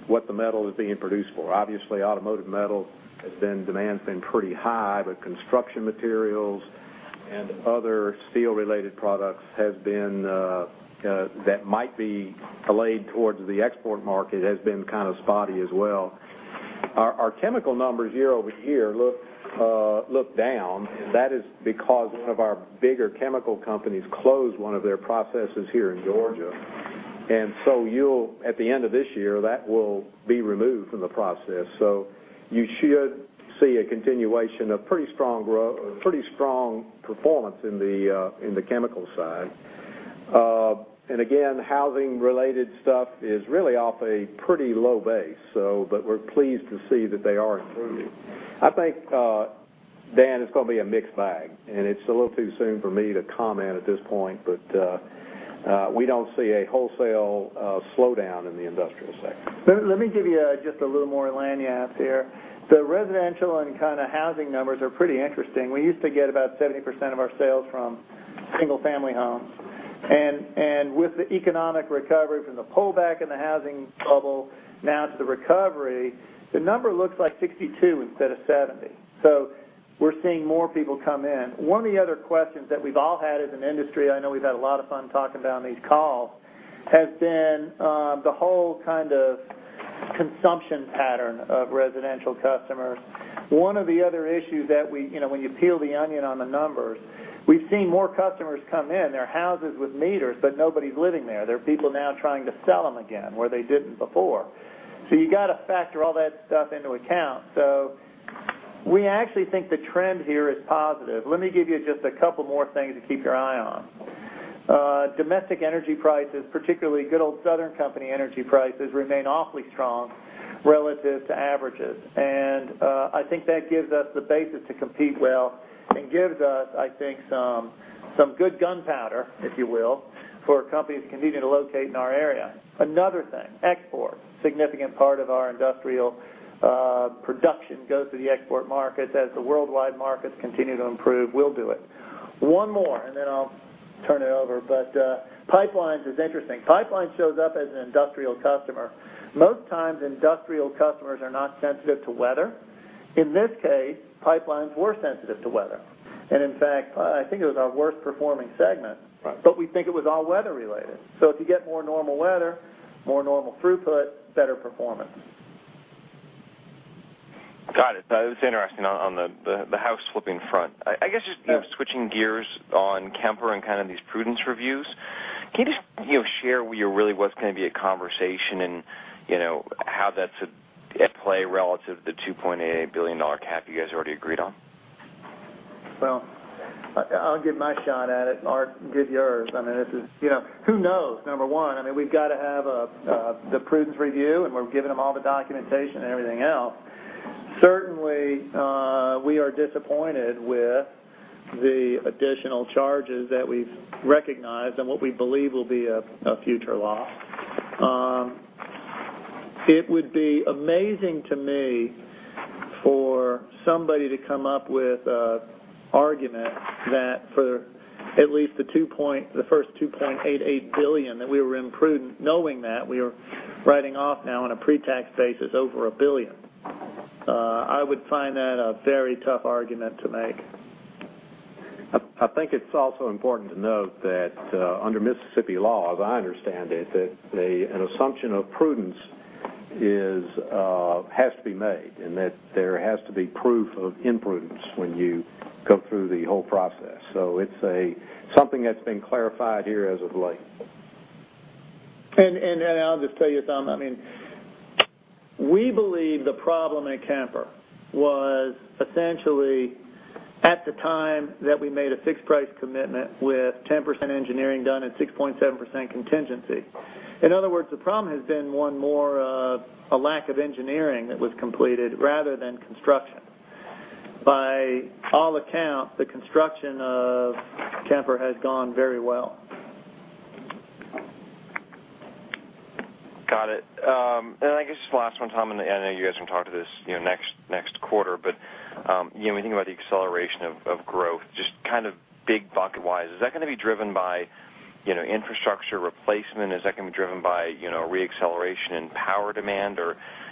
what the metal is being produced for. Obviously, automotive metal demand's been pretty high. Construction materials and other steel-related products that might be allayed towards the export market has been kind of spotty as well. Our chemical numbers year-over-year look down. That is because one of our bigger chemical companies closed one of their processes here in Georgia. At the end of this year, that will be removed from the process. You should see a continuation of pretty strong performance in the chemical side. Again, housing-related stuff is really off a pretty low base. We're pleased to see that they are improving. I think, Dan, it's going to be a mixed bag, and it's a little too soon for me to comment at this point. We don't see a wholesale slowdown in the industrial sector. Let me give you just a little more lagniappe here. The residential and kind of housing numbers are pretty interesting. We used to get about 70% of our sales from single-family homes. With the economic recovery from the pullback in the housing bubble now to the recovery, the number looks like 62 instead of 70. We're seeing more people come in. One of the other questions that we've all had as an industry, I know we've had a lot of fun talking about on these calls, has been the whole kind of consumption pattern of residential customers. One of the other issues that when you peel the onion on the numbers, we've seen more customers come in. There are houses with meters, but nobody's living there. There are people now trying to sell them again, where they didn't before. You got to factor all that stuff into account. We actually think the trend here is positive. Let me give you just a couple more things to keep your eye on. Domestic energy prices, particularly good old Southern Company energy prices, remain awfully strong relative to averages. I think that gives us the basis to compete well and gives us, I think, some good gunpowder, if you will, for companies convenient to locate in our area. Another thing, export. Significant part of our industrial production goes to the export market. As the worldwide markets continue to improve, we'll do it. One more, then I'll turn it over. Pipelines is interesting. Pipelines shows up as an industrial customer. Most times, industrial customers are not sensitive to weather. In this case, pipelines were sensitive to weather. In fact, I think it was our worst-performing segment. Right. We think it was all weather related. If you get more normal weather, more normal throughput, better performance. Got it. It's interesting on the house-flipping front. I guess just switching gears on Kemper and these prudence reviews, can you just share what really was going to be a conversation and how that's at play relative to the $2.88 billion cap you guys already agreed on? I'll give my shot at it. Art, give yours. Who knows? One, we've got to have the prudence review, and we're giving them all the documentation and everything else. Certainly, we are disappointed with the additional charges that we've recognized and what we believe will be a future loss. It would be amazing to me for somebody to come up with an argument that for at least the first $2.88 billion, that we were imprudent knowing that we are writing off now on a pre-tax basis over $1 billion. I would find that a very tough argument to make. I think it's also important to note that under Mississippi law, as I understand it, that an assumption of prudence has to be made, and that there has to be proof of imprudence when you go through the whole process. It's something that's been clarified here as of late. I'll just tell you, Tom. We believe the problem at Kemper was essentially at the time that we made a fixed-price commitment with 10% engineering done and 6.7% contingency. In other words, the problem has been one more of a lack of engineering that was completed rather than construction. By all accounts, the construction of Kemper has gone very well. Got it. I guess just the last one, Tom, and I know you guys can talk to this next quarter. When you think about the acceleration of growth, just kind of big bucket-wise, is that going to be driven by infrastructure replacement? Is that going to be driven by re-acceleration in power demand?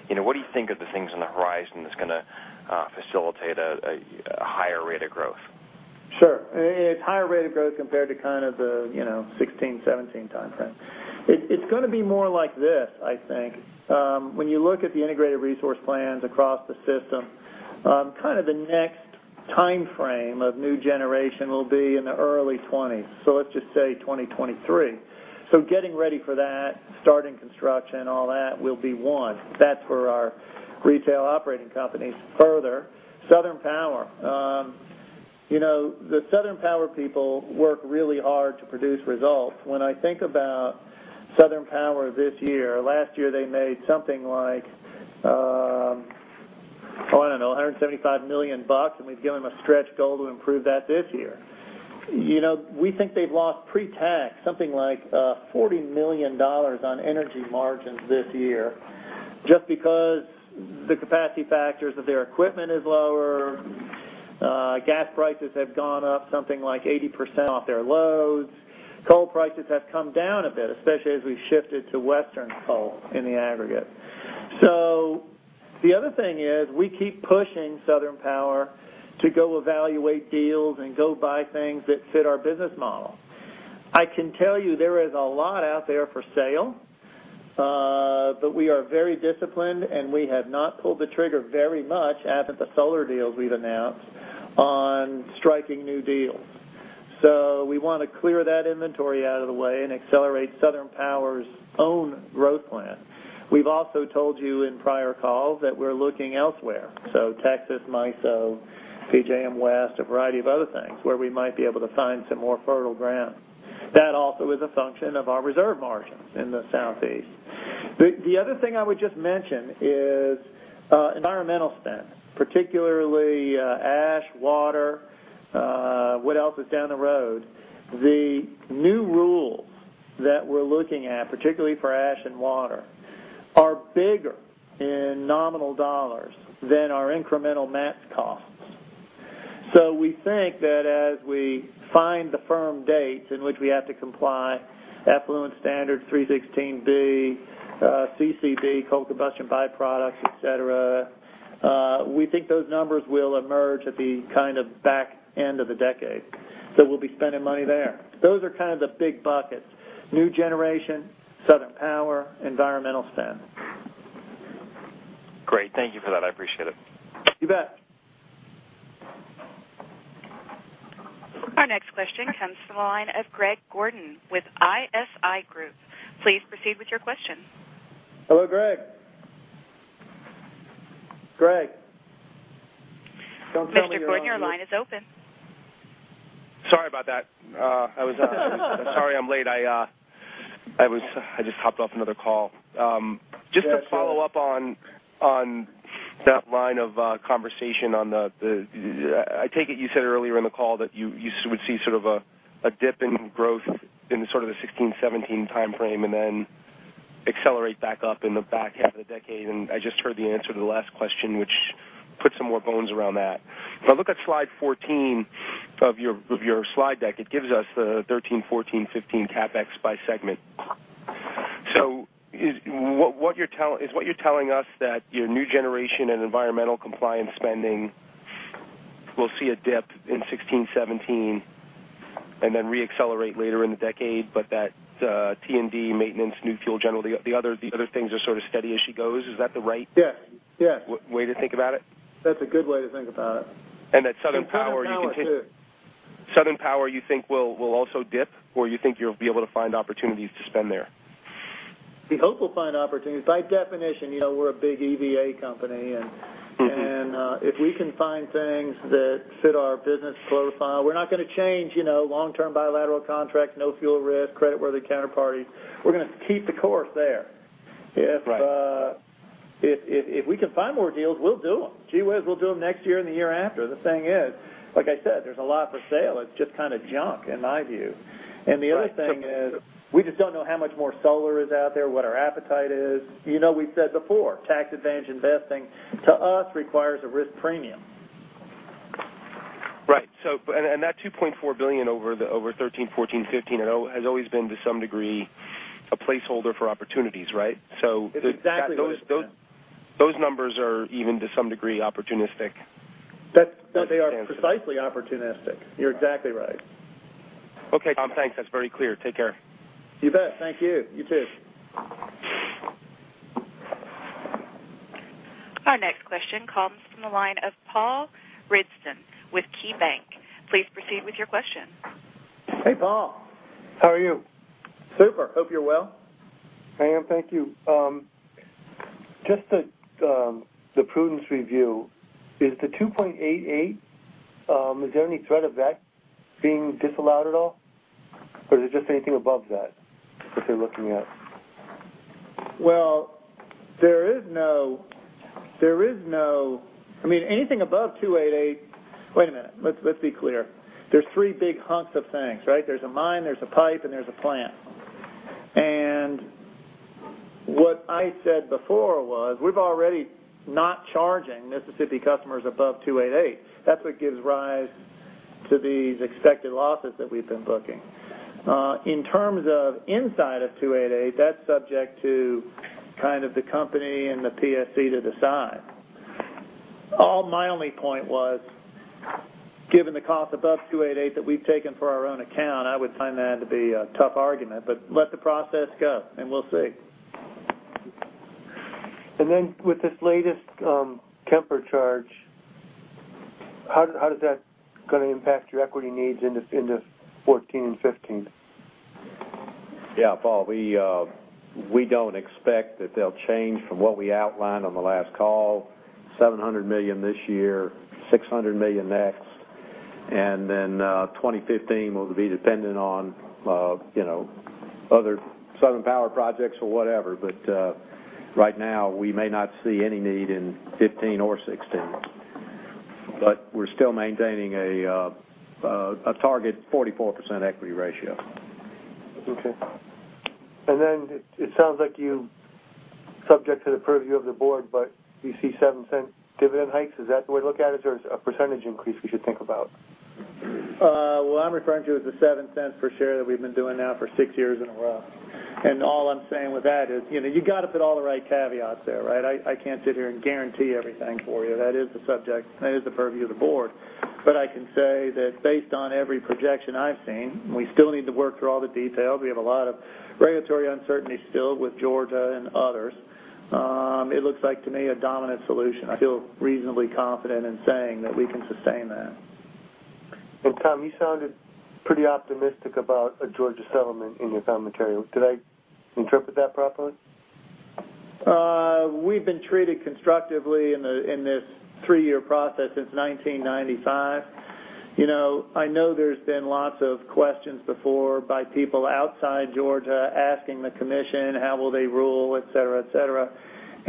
What do you think are the things on the horizon that's going to facilitate a higher rate of growth? Sure. It's higher rate of growth compared to kind of the 2016, 2017 timeframe. It's going to be more like this, I think. When you look at the integrated resource plans across the system, kind of the next timeframe of new generation will be in the early 2020s, so let's just say 2023. Getting ready for that, starting construction, all that will be one. That's for our retail operating companies. Further, Southern Power. The Southern Power people work really hard to produce results. When I think about Southern Power this year, last year they made something like, oh, I don't know, $175 million, and we've given them a stretch goal to improve that this year. We think they've lost pre-tax something like $40 million on energy margins this year just because the capacity factors of their equipment is lower. Gas prices have gone up something like 80% off their loads. Coal prices have come down a bit, especially as we've shifted to western coal in the aggregate. The other thing is we keep pushing Southern Power to go evaluate deals and go buy things that fit our business model. I can tell you there is a lot out there for sale. We are very disciplined, and we have not pulled the trigger very much, apart from the solar deals we've announced, on striking new deals. We want to clear that inventory out of the way and accelerate Southern Power's own growth plan. We've also told you in prior calls that we're looking elsewhere. Texas, MISO, PJM West, a variety of other things where we might be able to find some more fertile ground. That also is a function of our reserve margins in the Southeast. The other thing I would just mention is environmental spend, particularly ash, water, what else is down the road. The new rules that we're looking at, particularly for ash and water, are bigger in nominal dollars than our incremental cash costs. We think that as we find the firm dates in which we have to comply, effluent standard 316b, CCB, coal combustion byproducts, et cetera, we think those numbers will emerge at the kind of back end of the decade. We'll be spending money there. Those are kind of the big buckets. New generation, Southern Power, environmental spend. Great. Thank you for that. I appreciate it. You bet. Our next question comes from the line of Greg Gordon with ISI Group. Please proceed with your question. Hello, Greg. Greg? Don't tell me you're on mute. Mr. Gordon, your line is open. Sorry, I'm late. I just hopped off another call. That's all right. Just to follow up on that line of conversation. I take it you said earlier in the call that you would see sort of a dip in growth in sort of the 2016, 2017 timeframe and then accelerate back up in the back half of the decade, and I just heard the answer to the last question, which put some more bones around that. If I look at slide 14 of your slide deck, it gives us the 2013, 2014, 2015 CapEx by segment. Is what you're telling us that your new generation and environmental compliance spending We'll see a dip in 2016, 2017, and then re-accelerate later in the decade. That T&D maintenance, new fuel, generally, the other things are sort of steady as she goes. Is that the right- Yes way to think about it? That's a good way to think about it. That Southern Power, you can. Southern Power too. Southern Power, you think will also dip, or you think you'll be able to find opportunities to spend there? We hope we'll find opportunities. By definition, we're a big EVA company. If we can find things that fit our business profile, we're not going to change long-term bilateral contracts, no fuel risk, credit-worthy counterparties. We're going to keep the course there. Right. If we can find more deals, we'll do them. Gee whiz, we'll do them next year and the year after. The thing is, like I said, there's a lot for sale. It's just kind of junk, in my view. Right. The other thing is we just don't know how much more solar is out there, what our appetite is. We've said before, tax advantage investing, to us, requires a risk premium. Right. That $2.4 billion over 2013, 2014, 2015 has always been, to some degree, a placeholder for opportunities, right? It's exactly what it is. Those numbers are even, to some degree, opportunistic. They are precisely opportunistic. You're exactly right. Okay, Tom. Thanks. That's very clear. Take care. You bet. Thank you. You, too. Our next question comes from the line of Paul Ridzon with KeyBank. Please proceed with your question. Hey, Paul. How are you? Super. Hope you're well. I am. Thank you. Just the prudence review. Is the $2.88, is there any threat of that being disallowed at all? Or is it just anything above that they're looking at? Well, I mean, anything above $2.88. Wait a minute. Let's be clear. There's three big hunks of things, right? There's a mine, there's a pipe, and there's a plant. What I said before was we're already not charging Mississippi customers above $2.88. That's what gives rise to these expected losses that we've been booking. In terms of inside of $2.88, that's subject to kind of the company and the PSC to decide. My only point was, given the cost above $2.88 that we've taken for our own account, I would find that to be a tough argument, but let the process go, and we'll see. With this latest Kemper charge, how is that going to impact your equity needs in the 2014 and 2015? Yeah, Paul, we don't expect that they'll change from what we outlined on the last call. $700 million this year, $600 million next, 2015 will be dependent on other Southern Power projects or whatever. Right now, we may not see any need in 2015 or 2016. We're still maintaining a target 44% equity ratio. Okay. Then it sounds like you, subject to the purview of the board, but you see $0.07 dividend hikes. Is that the way to look at it, or is there a percentage increase we should think about? What I'm referring to is the $0.07 per share that we've been doing now for six years in a row. All I'm saying with that is you've got to put all the right caveats there, right? I can't sit here and guarantee everything for you. That is the subject, and that is the purview of the board. I can say that based on every projection I've seen, we still need to work through all the details. We have a lot of regulatory uncertainty still with Georgia and others. It looks like to me a dominant solution. I feel reasonably confident in saying that we can sustain that. Tom, you sounded pretty optimistic about a Georgia settlement in your commentary. Did I interpret that properly? We've been treated constructively in this three-year process since 1995. I know there's been lots of questions before by people outside Georgia asking the commission how will they rule, et cetera.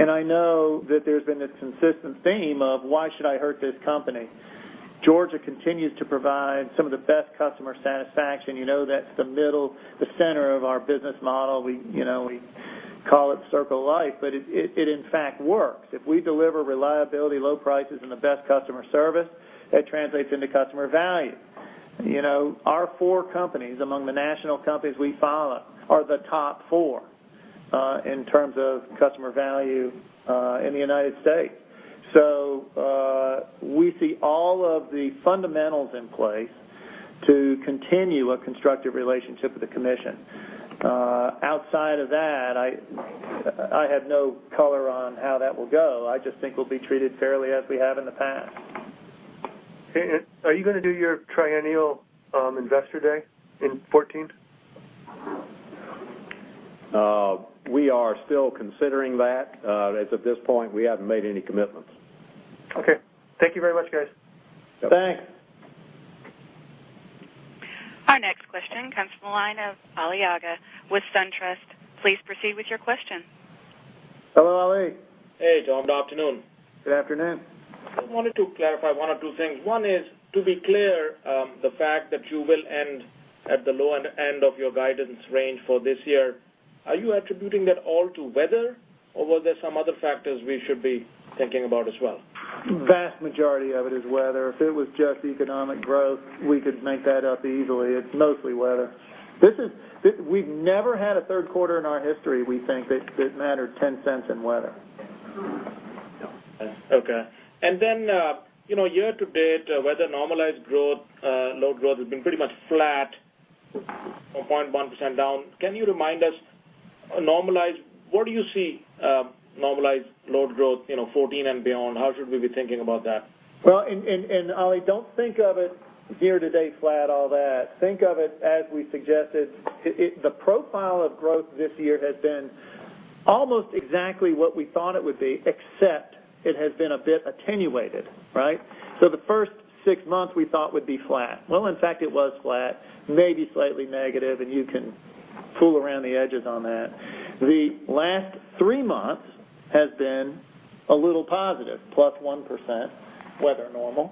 I know that there's been this consistent theme of, why should I hurt this company? Georgia continues to provide some of the best customer satisfaction. You know that's the middle, the center of our business model. We call it circle of life, but it in fact works. If we deliver reliability, low prices, and the best customer service, that translates into customer value. Our four companies, among the national companies we follow, are the top four in terms of customer value in the United States. We see all of the fundamentals in place to continue a constructive relationship with the commission. Outside of that, I have no color on how that will go. I just think we'll be treated fairly as we have in the past. Okay. Are you going to do your triennial investor day in 2014? We are still considering that. As of this point, we haven't made any commitments. Okay. Thank you very much, guys. Thanks. Our next question comes from the line of Ali Agha with SunTrust. Please proceed with your question. Hello, Ali. Hey, Tom. Good afternoon. Good afternoon. I wanted to clarify one or two things. One is, to be clear, the fact that you will end at the lower end of your guidance range for this year. Are you attributing that all to weather, or were there some other factors we should be thinking about as well? Vast majority of it is weather. If it was just economic growth, we could make that up easily. It's mostly weather. We've never had a third quarter in our history, we think, that it mattered $0.10 in weather. Okay. Then year-to-date, weather normalized load growth has been pretty much flat or 0.1% down. Can you remind us, normalized, where do you see normalized load growth 2014 and beyond? How should we be thinking about that? Well, Ali, don't think of it year-to-date flat, all that. Think of it as we suggested. The profile of growth this year has been almost exactly what we thought it would be, except it has been a bit attenuated. Right? The first six months we thought would be flat. Well, in fact, it was flat, maybe slightly negative, and you can fool around the edges on that. The last three months has been a little positive, plus 1%, weather normal.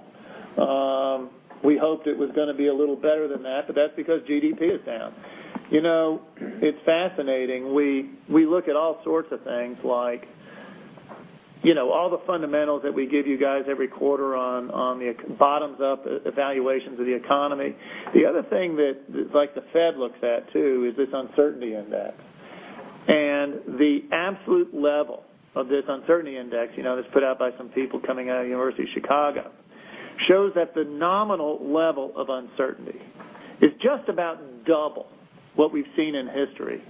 We hoped it was going to be a little better than that, but that's because GDP is down. It's fascinating. We look at all sorts of things like all the fundamentals that we give you guys every quarter on the bottoms-up evaluations of the economy. The other thing that the Fed looks at, too, is this uncertainty index. The absolute level of this uncertainty index, that's put out by some people coming out of University of Chicago, shows that the nominal level of uncertainty is just about 2 what we've seen in history.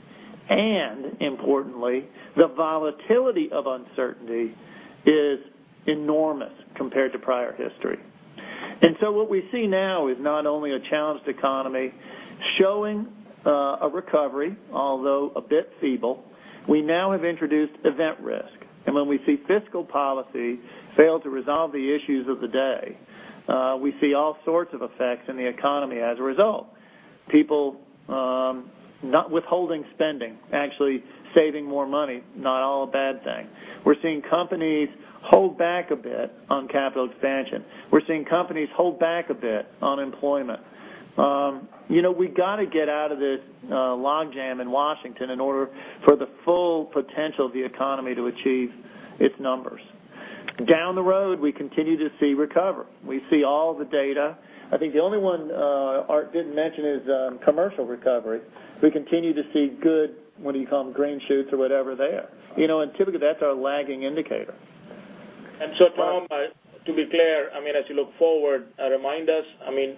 Importantly, the volatility of uncertainty is enormous compared to prior history. What we see now is not only a challenged economy showing a recovery, although a bit feeble. We now have introduced event risk. When we see fiscal policy fail to resolve the issues of the day, we see all sorts of effects in the economy as a result. People not withholding spending, actually saving more money, not all a bad thing. We're seeing companies hold back a bit on capital expansion. We're seeing companies hold back a bit on employment. We got to get out of this logjam in Washington in order for the full potential of the economy to achieve its numbers. Down the road, we continue to see recovery. We see all the data. I think the only one Art didn't mention is commercial recovery. We continue to see good, what do you call them? Green shoots or whatever there. Typically, that's our lagging indicator. Tom, to be clear, as you look forward, remind us.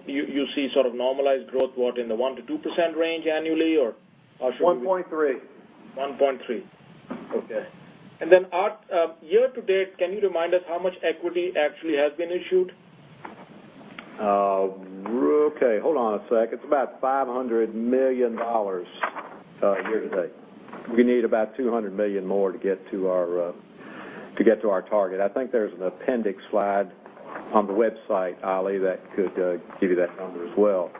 You see sort of normalized growth, what, in the 1%-2% range annually or how should we 1.3%. 1.3%. Okay. Art, year-to-date, can you remind us how much equity actually has been issued? Okay. Hold on a sec. It's about $500 million year-to-date. We need about $200 million more to get to our target. I think there's an appendix slide on the website, Ali, that could give you that number as well.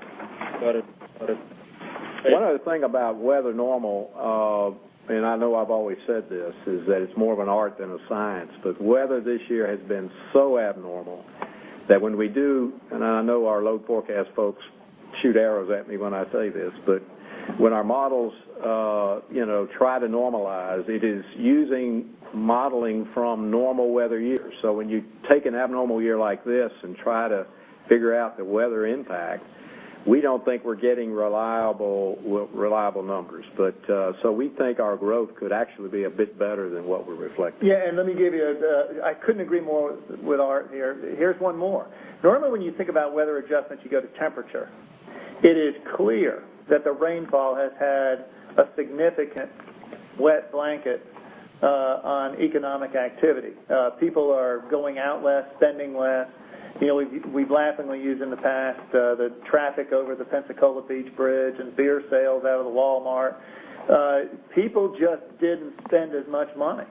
Got it. One other thing about weather normal, and I know I've always said this, is that it's more of an art than a science. Weather this year has been so abnormal that when we do, and I know our load forecast folks shoot arrows at me when I say this, but when our models try to normalize, it is using modeling from normal weather years. When you take an abnormal year like this and try to figure out the weather impact, we don't think we're getting reliable numbers. We think our growth could actually be a bit better than what we're reflecting. Let me give you I couldn't agree more with Art here. Here's one more. Normally, when you think about weather adjustments, you go to temperature. It is clear that the rainfall has had a significant wet blanket on economic activity. People are going out less, spending less. We've laughingly used in the past the traffic over the Pensacola Beach Bridge and beer sales out of the Walmart. People just didn't spend as much money.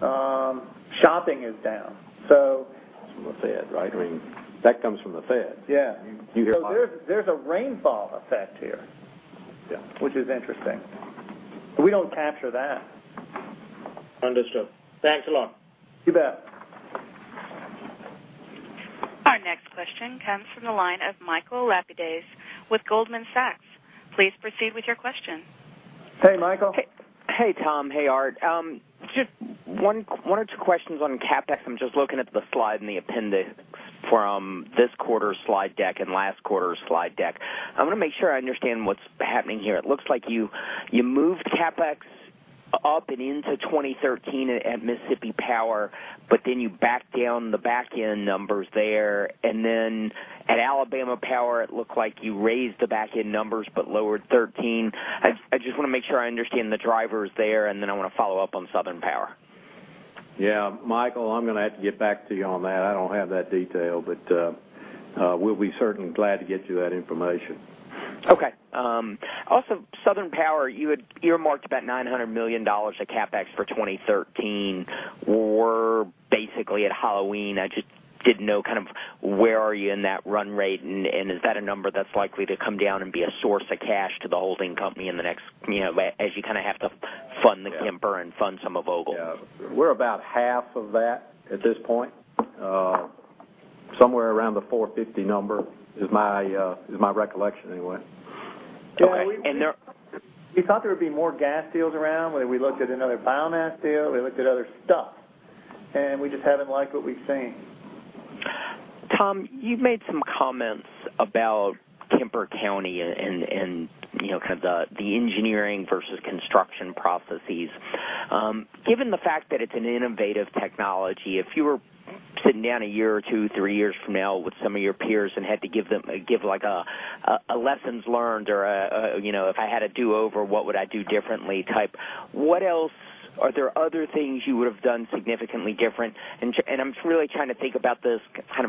Shopping is down. That's from the Fed, right? That comes from the Fed. Yeah. You hear- There's a rainfall effect here. Yeah. Which is interesting. We don't capture that. Understood. Thanks a lot. You bet. Our next question comes from the line of Michael Lapides with Goldman Sachs. Please proceed with your question. Hey, Michael. Hey, Tom. Hey, Art. Just one or two questions on CapEx. I'm just looking at the slide in the appendix from this quarter's slide deck and last quarter's slide deck. I want to make sure I understand what's happening here. It looks like you moved CapEx up and into 2013 at Mississippi Power, you backed down the back-end numbers there. At Alabama Power, it looked like you raised the back-end numbers, but lowered 2013. I just want to make sure I understand the drivers there. I want to follow up on Southern Power. Yeah. Michael, I'm going to have to get back to you on that. I don't have that detail, but we'll be certainly glad to get you that information. Okay. Also, Southern Power, you had earmarked about $900 million of CapEx for 2013. We're basically at Halloween. I just didn't know where are you in that run rate. Is that a number that's likely to come down and be a source of cash to the holding company as you have to fund the Kemper and fund some of Vogtle? Yeah. We're about half of that at this point. Somewhere around the 450 number is my recollection, anyway. We thought there would be more gas deals around. We looked at another biomass deal. We looked at other stuff. We just haven't liked what we've seen. Tom, you've made some comments about Kemper County and the engineering versus construction processes. Given the fact that it's an innovative technology, if you were sitting down a year or two, three years from now with some of your peers and had to give a lessons learned or a if I had a do-over, what would I do differently type? Are there other things you would've done significantly different? I'm really trying to think about this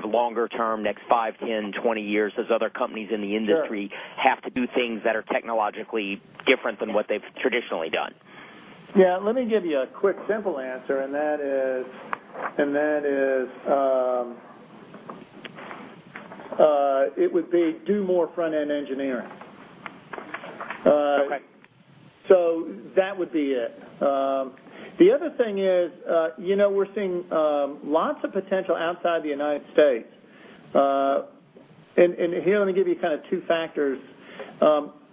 longer term, next five, 10, 20 years as other companies in the industry- Sure have to do things that are technologically different than what they've traditionally done. Yeah. Let me give you a quick simple answer, and that is, it would be do more front-end engineering. Okay. That would be it. The other thing is, we're seeing lots of potential outside the U.S. Here, let me give you two factors.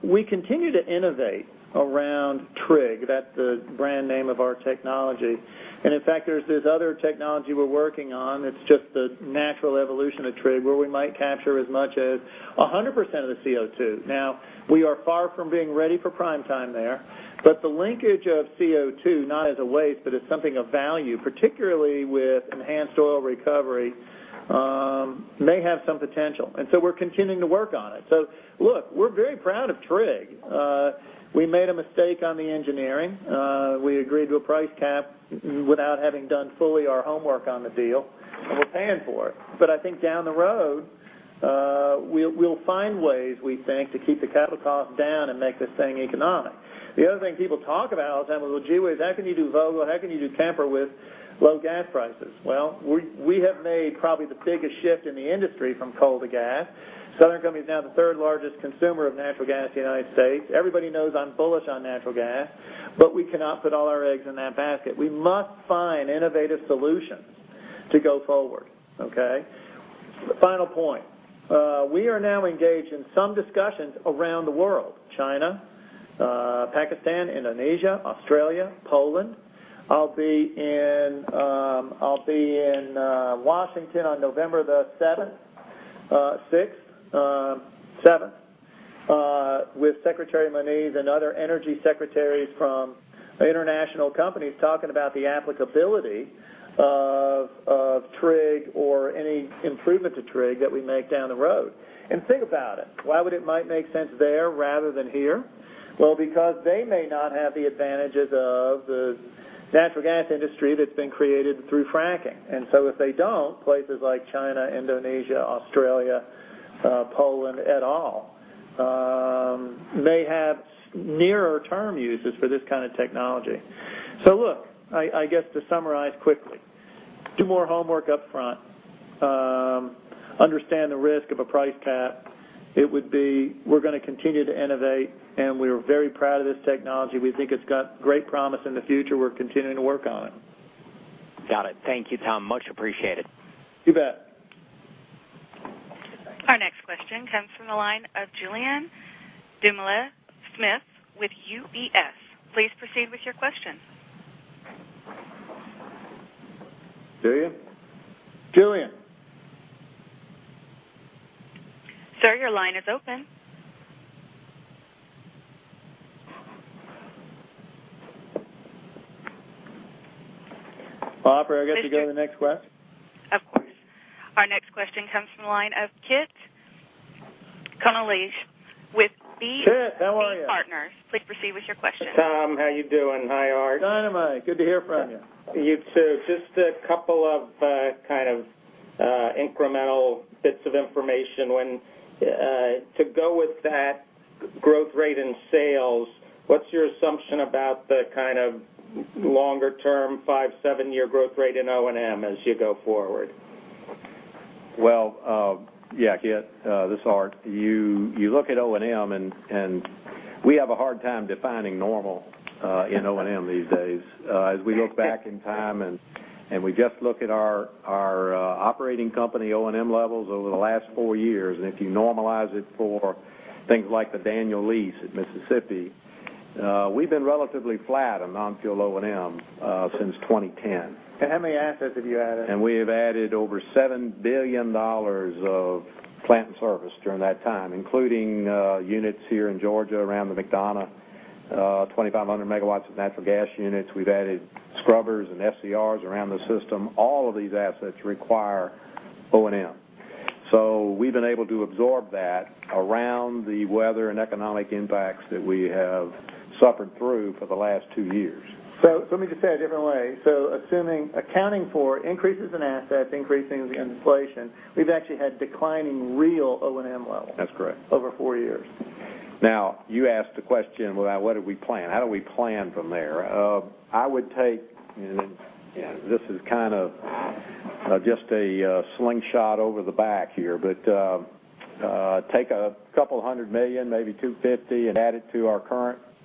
We continue to innovate around TRIG™, that's the brand name of our technology. In fact, there's this other technology we're working on, it's just the natural evolution of TRIG™, where we might capture as much as 100% of the CO2. Now, we are far from being ready for prime time there. The linkage of CO2, not as a waste, but as something of value, particularly with enhanced oil recovery, may have some potential. We're continuing to work on it. Look, we're very proud of TRIG™. We made a mistake on the engineering. We agreed to a price cap without having done fully our homework on the deal, and we're paying for it. I think down the road, we'll find ways, we think, to keep the capital cost down and make this thing economic. The other thing people talk about is that, "Well, gee whiz, how can you do Vogtle? How can you do Kemper with low gas prices?" We have made probably the biggest shift in the industry from coal to gas. Southern Company is now the third-largest consumer of natural gas in the U.S. Everybody knows I'm bullish on natural gas, we cannot put all our eggs in that basket. We must find innovative solutions to go forward. Okay? Final point. We are now engaged in some discussions around the world: China, Pakistan, Indonesia, Australia, Poland. I'll be in Washington on November the 7th with Secretary Moniz and other energy secretaries from international companies talking about the applicability of TRIG™ or any improvement to TRIG™ that we make down the road. Think about it. Why would it might make sense there rather than here? Because they may not have the advantages of the natural gas industry that's been created through fracking. If they don't, places like China, Indonesia, Australia, Poland, et al., may have nearer term uses for this kind of technology. Look, I guess to summarize quickly. Do more homework upfront. Understand the risk of a price cap. We're going to continue to innovate, and we're very proud of this technology. We think it's got great promise in the future. We're continuing to work on it. Got it. Thank you, Tom. Much appreciated. You bet. Our next question comes from the line of Julien Dumoulin-Smith with UBS. Please proceed with your question. Julien? Julien? Sir, your line is open. Operator, I guess we go to the next question? Of course. Our next question comes from the line of Kit Konolige with BGC- Kit, how are you? Partners. Please proceed with your question. Tom, how you doing? Hi, Art. Dynamite. Good to hear from you. You too. Just a couple of incremental bits of information. To go with that growth rate in sales, what's your assumption about the longer-term 5-7 year growth rate in O&M as you go forward? Well, yeah, Kit. This is Art. You look at O&M, we have a hard time defining normal in O&M these days. As we look back in time and we just look at our operating company O&M levels over the last four years, if you normalize it for things like the Plant Daniel at Mississippi, we've been relatively flat on non-fuel O&M since 2010. How many assets have you added? We have added over $7 billion of plant and service during that time, including units here in Georgia around the McDonough, 2,500 megawatts of natural gas units. We've added scrubbers and SCRs around the system. All of these assets require O&M. We've been able to absorb that around the weather and economic impacts that we have suffered through for the last two years. Let me just say it a different way. Accounting for increases in assets, increasing in inflation, we've actually had declining real O&M levels- That's correct. over four years. You asked the question, well, what do we plan? How do we plan from there? I would take, this is kind of just a slingshot over the back here, take $200 million, maybe $250, add it to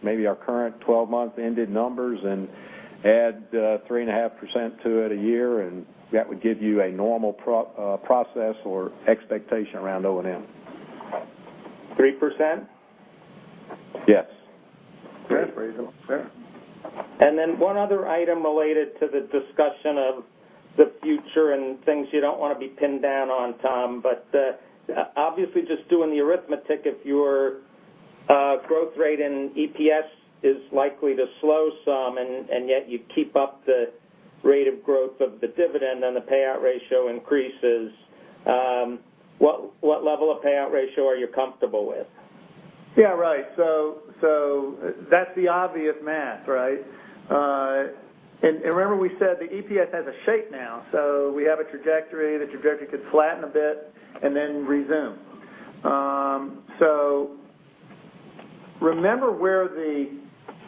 maybe our current 12-month ended numbers add 3.5% to it a year, that would give you a normal process or expectation around O&M. 3%? Yes. Great. One other item related to the discussion of the future and things you don't want to be pinned down on, Tom. Obviously just doing the arithmetic, if your growth rate in EPS is likely to slow some, and yet you keep up the rate of growth of the dividend, then the payout ratio increases. What level of payout ratio are you comfortable with? Yeah, right. That's the obvious math, right? Remember we said the EPS has a shape now, we have a trajectory. The trajectory could flatten a bit and then resume. Remember where the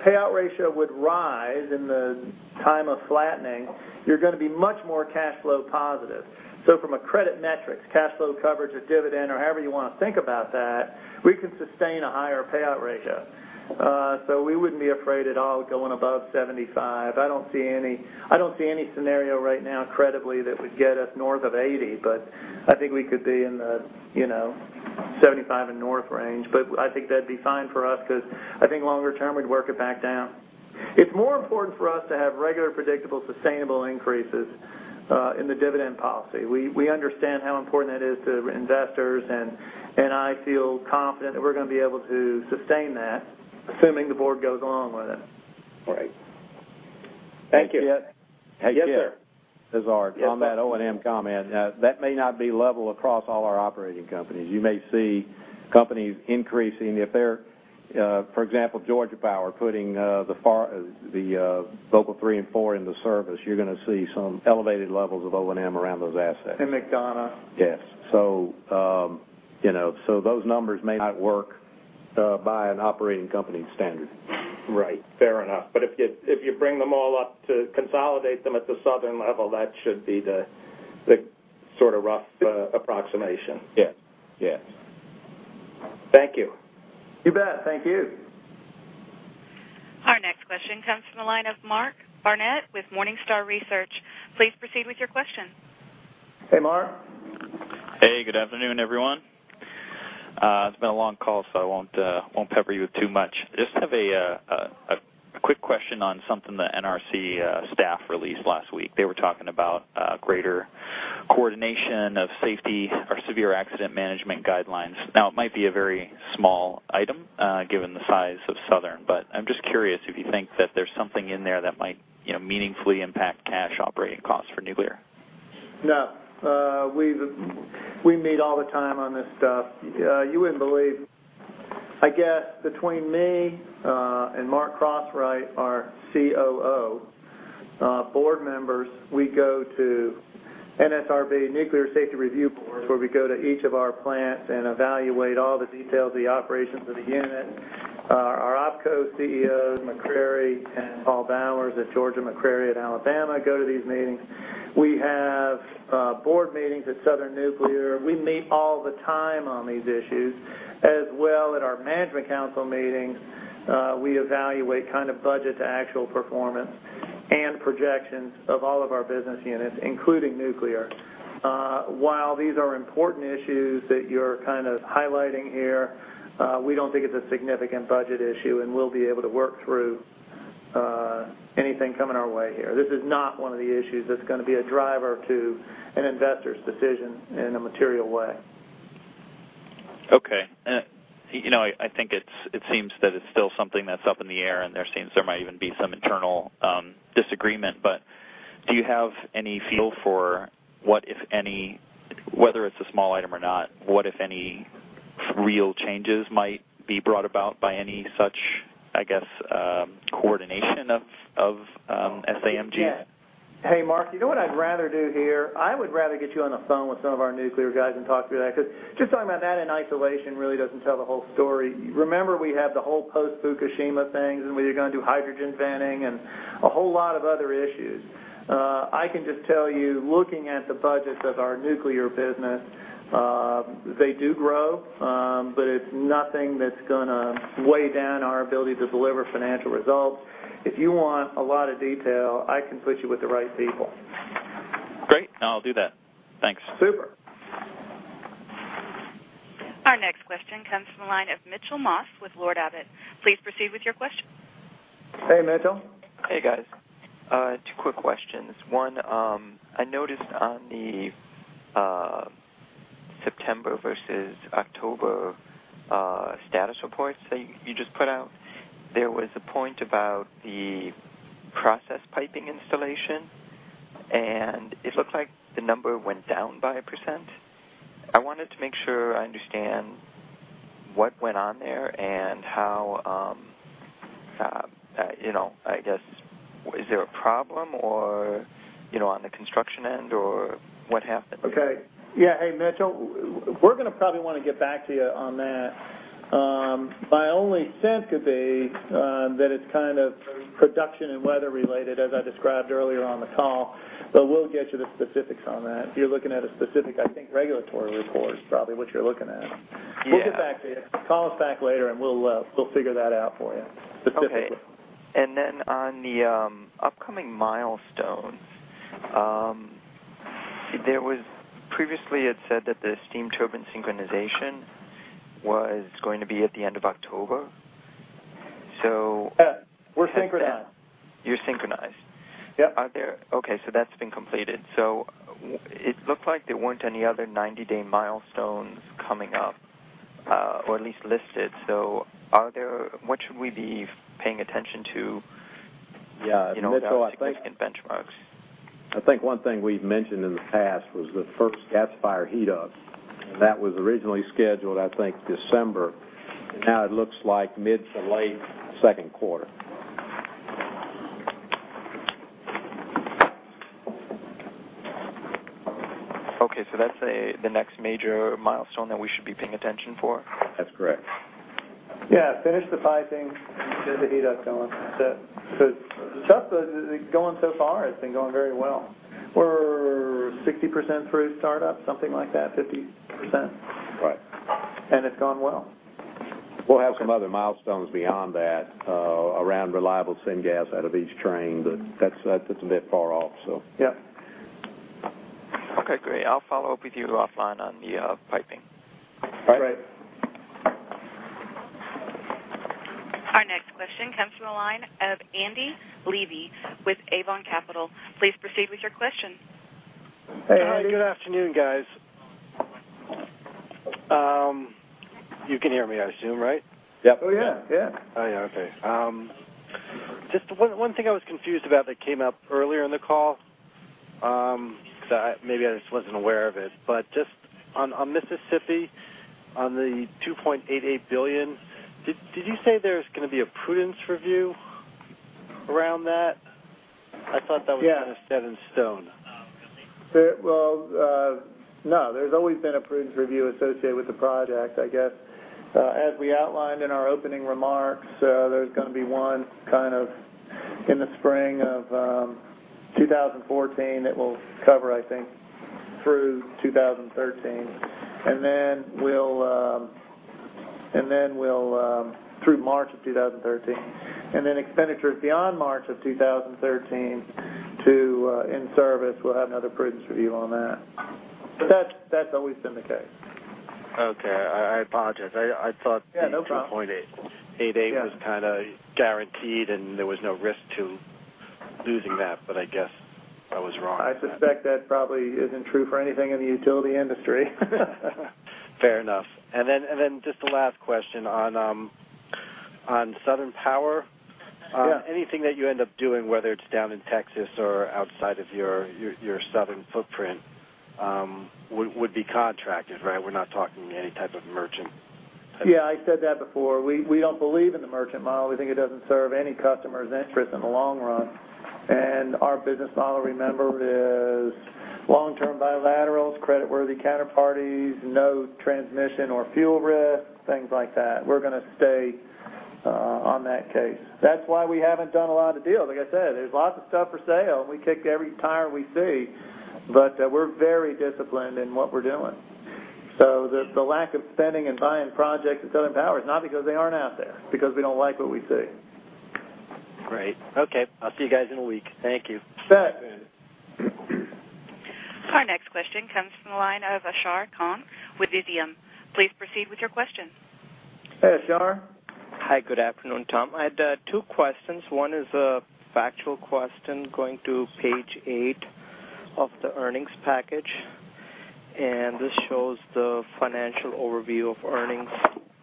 payout ratio would rise in the time of flattening, you're going to be much more cash flow positive. From a credit metrics, cash flow coverage or dividend or however you want to think about that, we can sustain a higher payout ratio. We wouldn't be afraid at all going above 75. I don't see any scenario right now credibly that would get us north of 80, but I think we could be in the 75 and north range. I think that'd be fine for us because I think longer term, we'd work it back down. It's more important for us to have regular, predictable, sustainable increases in the dividend policy. We understand how important that is to investors, I feel confident that we're going to be able to sustain that, assuming the board goes along with it. Right. Thank you. Hey, Kit? Yes, sir. This is Art. Yes, sir. On that O&M comment, that may not be level across all our operating companies. You may see companies increasing if they're, for example, Georgia Power putting the Vogtle 3 and 4 into service. You're going to see some elevated levels of O&M around those assets. McDonough. Yes. Those numbers may not work by an operating company standard. Right. Fair enough. If you bring them all up to consolidate them at the Southern level, that should be the sort of rough approximation. Yes. Thank you. You bet. Thank you. Our next question comes from the line of Mark Barnett with Morningstar Research. Please proceed with your question. Hey, Mark. Hey, good afternoon, everyone. It's been a long call, so I won't pepper you with too much. I just have a quick question on something the NRC staff released last week. They were talking about greater coordination of safety or severe accident management guidelines. Now, it might be a very small item given the size of Southern, but I'm just curious if you think that there's something in there that might meaningfully impact cash operating costs for nuclear. No. We meet all the time on this stuff. You wouldn't believe, I guess between me and Mark Crosswhite, our COO, board members, we go to NSRB, Nuclear Safety Review Board, where we go to each of our plants and evaluate all the details of the operations of the unit. Our OpCo CEOs, McCrary and Paul Bowers at Georgia, McCrary at Alabama, go to these meetings. We have board meetings at Southern Nuclear. We meet all the time on these issues. As well at our management council meetings, we evaluate budget to actual performance and projections of all of our business units, including nuclear. While these are important issues that you're highlighting here, we don't think it's a significant budget issue, and we'll be able to work through anything coming our way here. This is not one of the issues that's going to be a driver to an investor's decision in a material way. Okay. I think it seems that it's still something that's up in the air, and there seems there might even be some internal disagreement. Do you have any feel for what, if any, whether it's a small item or not, what if any real changes might be brought about by any such, I guess, coordination of SAMG? Hey, Mark, you know what I'd rather do here? I would rather get you on the phone with some of our nuclear guys and talk through that, because just talking about that in isolation really doesn't tell the whole story. Remember, we had the whole post-Fukushima things, and we were going to do hydrogen venting and a whole lot of other issues. I can just tell you, looking at the budgets of our nuclear business, they do grow, but it's nothing that's going to weigh down our ability to deliver financial results. If you want a lot of detail, I can put you with the right people. Great, no, I'll do that. Thanks. Super. Our next question comes from the line of Mitchell Moss with Lord Abbett. Please proceed with your question. Hey, Mitchell. Hey, guys. Two quick questions. One, I noticed on the September versus October status reports that you just put out, there was a point about the process piping installation, and it looked like the number went down by a %. I wanted to make sure I understand what went on there and how, I guess, is there a problem or on the construction end or what happened? Okay. Yeah. Hey, Mitchell. We're going to probably want to get back to you on that. My only sense could be that it's kind of production and weather related, as I described earlier on the call. We'll get you the specifics on that. If you're looking at a specific, I think regulatory report is probably what you're looking at. Yeah. We'll get back to you. Call us back later, and we'll figure that out for you specifically. Okay. On the upcoming milestones Previously, it said that the steam turbine synchronization was going to be at the end of October. Yeah. We're synchronized. You're synchronized? Yeah. Okay. That's been completed. It looked like there weren't any other 90-day milestones coming up, or at least listed. What should we be paying attention to? Yeah. For significant benchmarks? I think one thing we've mentioned in the past was the first gas fire heat up, and that was originally scheduled, I think, December. Now it looks like mid to late second quarter. That's the next major milestone that we should be paying attention for? That's correct. Yeah. Finish the piping, get the heat up going. Going so far, it's been going very well. We're 60% through startup, something like that, 50%. Right. It's gone well. We'll have some other milestones beyond that, around reliable syngas out of each train, that's a bit far off. Yeah. Okay, great. I'll follow up with you offline on the piping. Great. Great. Our next question comes from the line of Andy Levy with Avon Capital. Please proceed with your question. Hey. Hi. Good afternoon, guys. You can hear me, I assume, right? Yep. Oh, yeah. Yeah. Okay. Just one thing I was confused about that came up earlier in the call, that maybe I just wasn't aware of it, but just on Mississippi, on the $2.88 billion, did you say there's going to be a prudence review around that? I thought that was- Yeah kind of set in stone. Well, no, there's always been a prudence review associated with the project, I guess. As we outlined in our opening remarks, there's going to be one kind of in the spring of 2014 that will cover, I think, through 2013. Through March of 2013. Then expenditures beyond March of 2013 to in-service, we'll have another prudence review on that. That's always been the case. Okay. I apologize. Yeah, no problem. $2.88 was kind of guaranteed, there was no risk to losing that, I guess I was wrong. I suspect that probably isn't true for anything in the utility industry. Fair enough. Just a last question on Southern Power. Yeah. Anything that you end up doing, whether it's down in Texas or outside of your Southern footprint, would be contracted, right? We're not talking any type of merchant. Yeah, I said that before. We don't believe in the merchant model. We think it doesn't serve any customer's interest in the long run. Our business model, remember, is long-term bilaterals, creditworthy counterparties, no transmission or fuel risk, things like that. We're going to stay on that case. That's why we haven't done a lot of deals. Like I said, there's lots of stuff for sale. We kick every tire we see. We're very disciplined in what we're doing. The lack of spending and buying projects at Southern Power is not because they aren't out there; because we don't like what we see. Great. Okay. I'll see you guys in a week. Thank you. You bet. You bet. Our next question comes from the line of Ashar Khan with Visium. Please proceed with your question. Hey, Ashar. Hi. Good afternoon, Tom. I had two questions. One is a factual question going to page eight of the earnings package. This shows the financial overview of earnings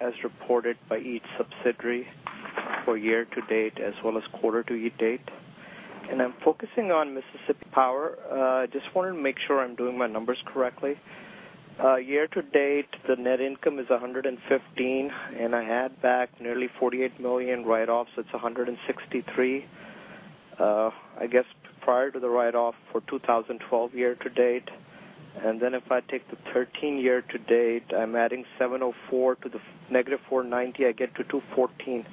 as reported by each subsidiary for year-to-date as well as quarter-to-date. I'm focusing on Mississippi Power. I just wanted to make sure I'm doing my numbers correctly. Year-to-date, the net income is 115, and I add back nearly $48 million write-offs, so it's 163. I guess prior to the write-off for 2012 year-to-date. Then if I take the 2013 year-to-date, I'm adding 704 to the negative 490, I get to 214.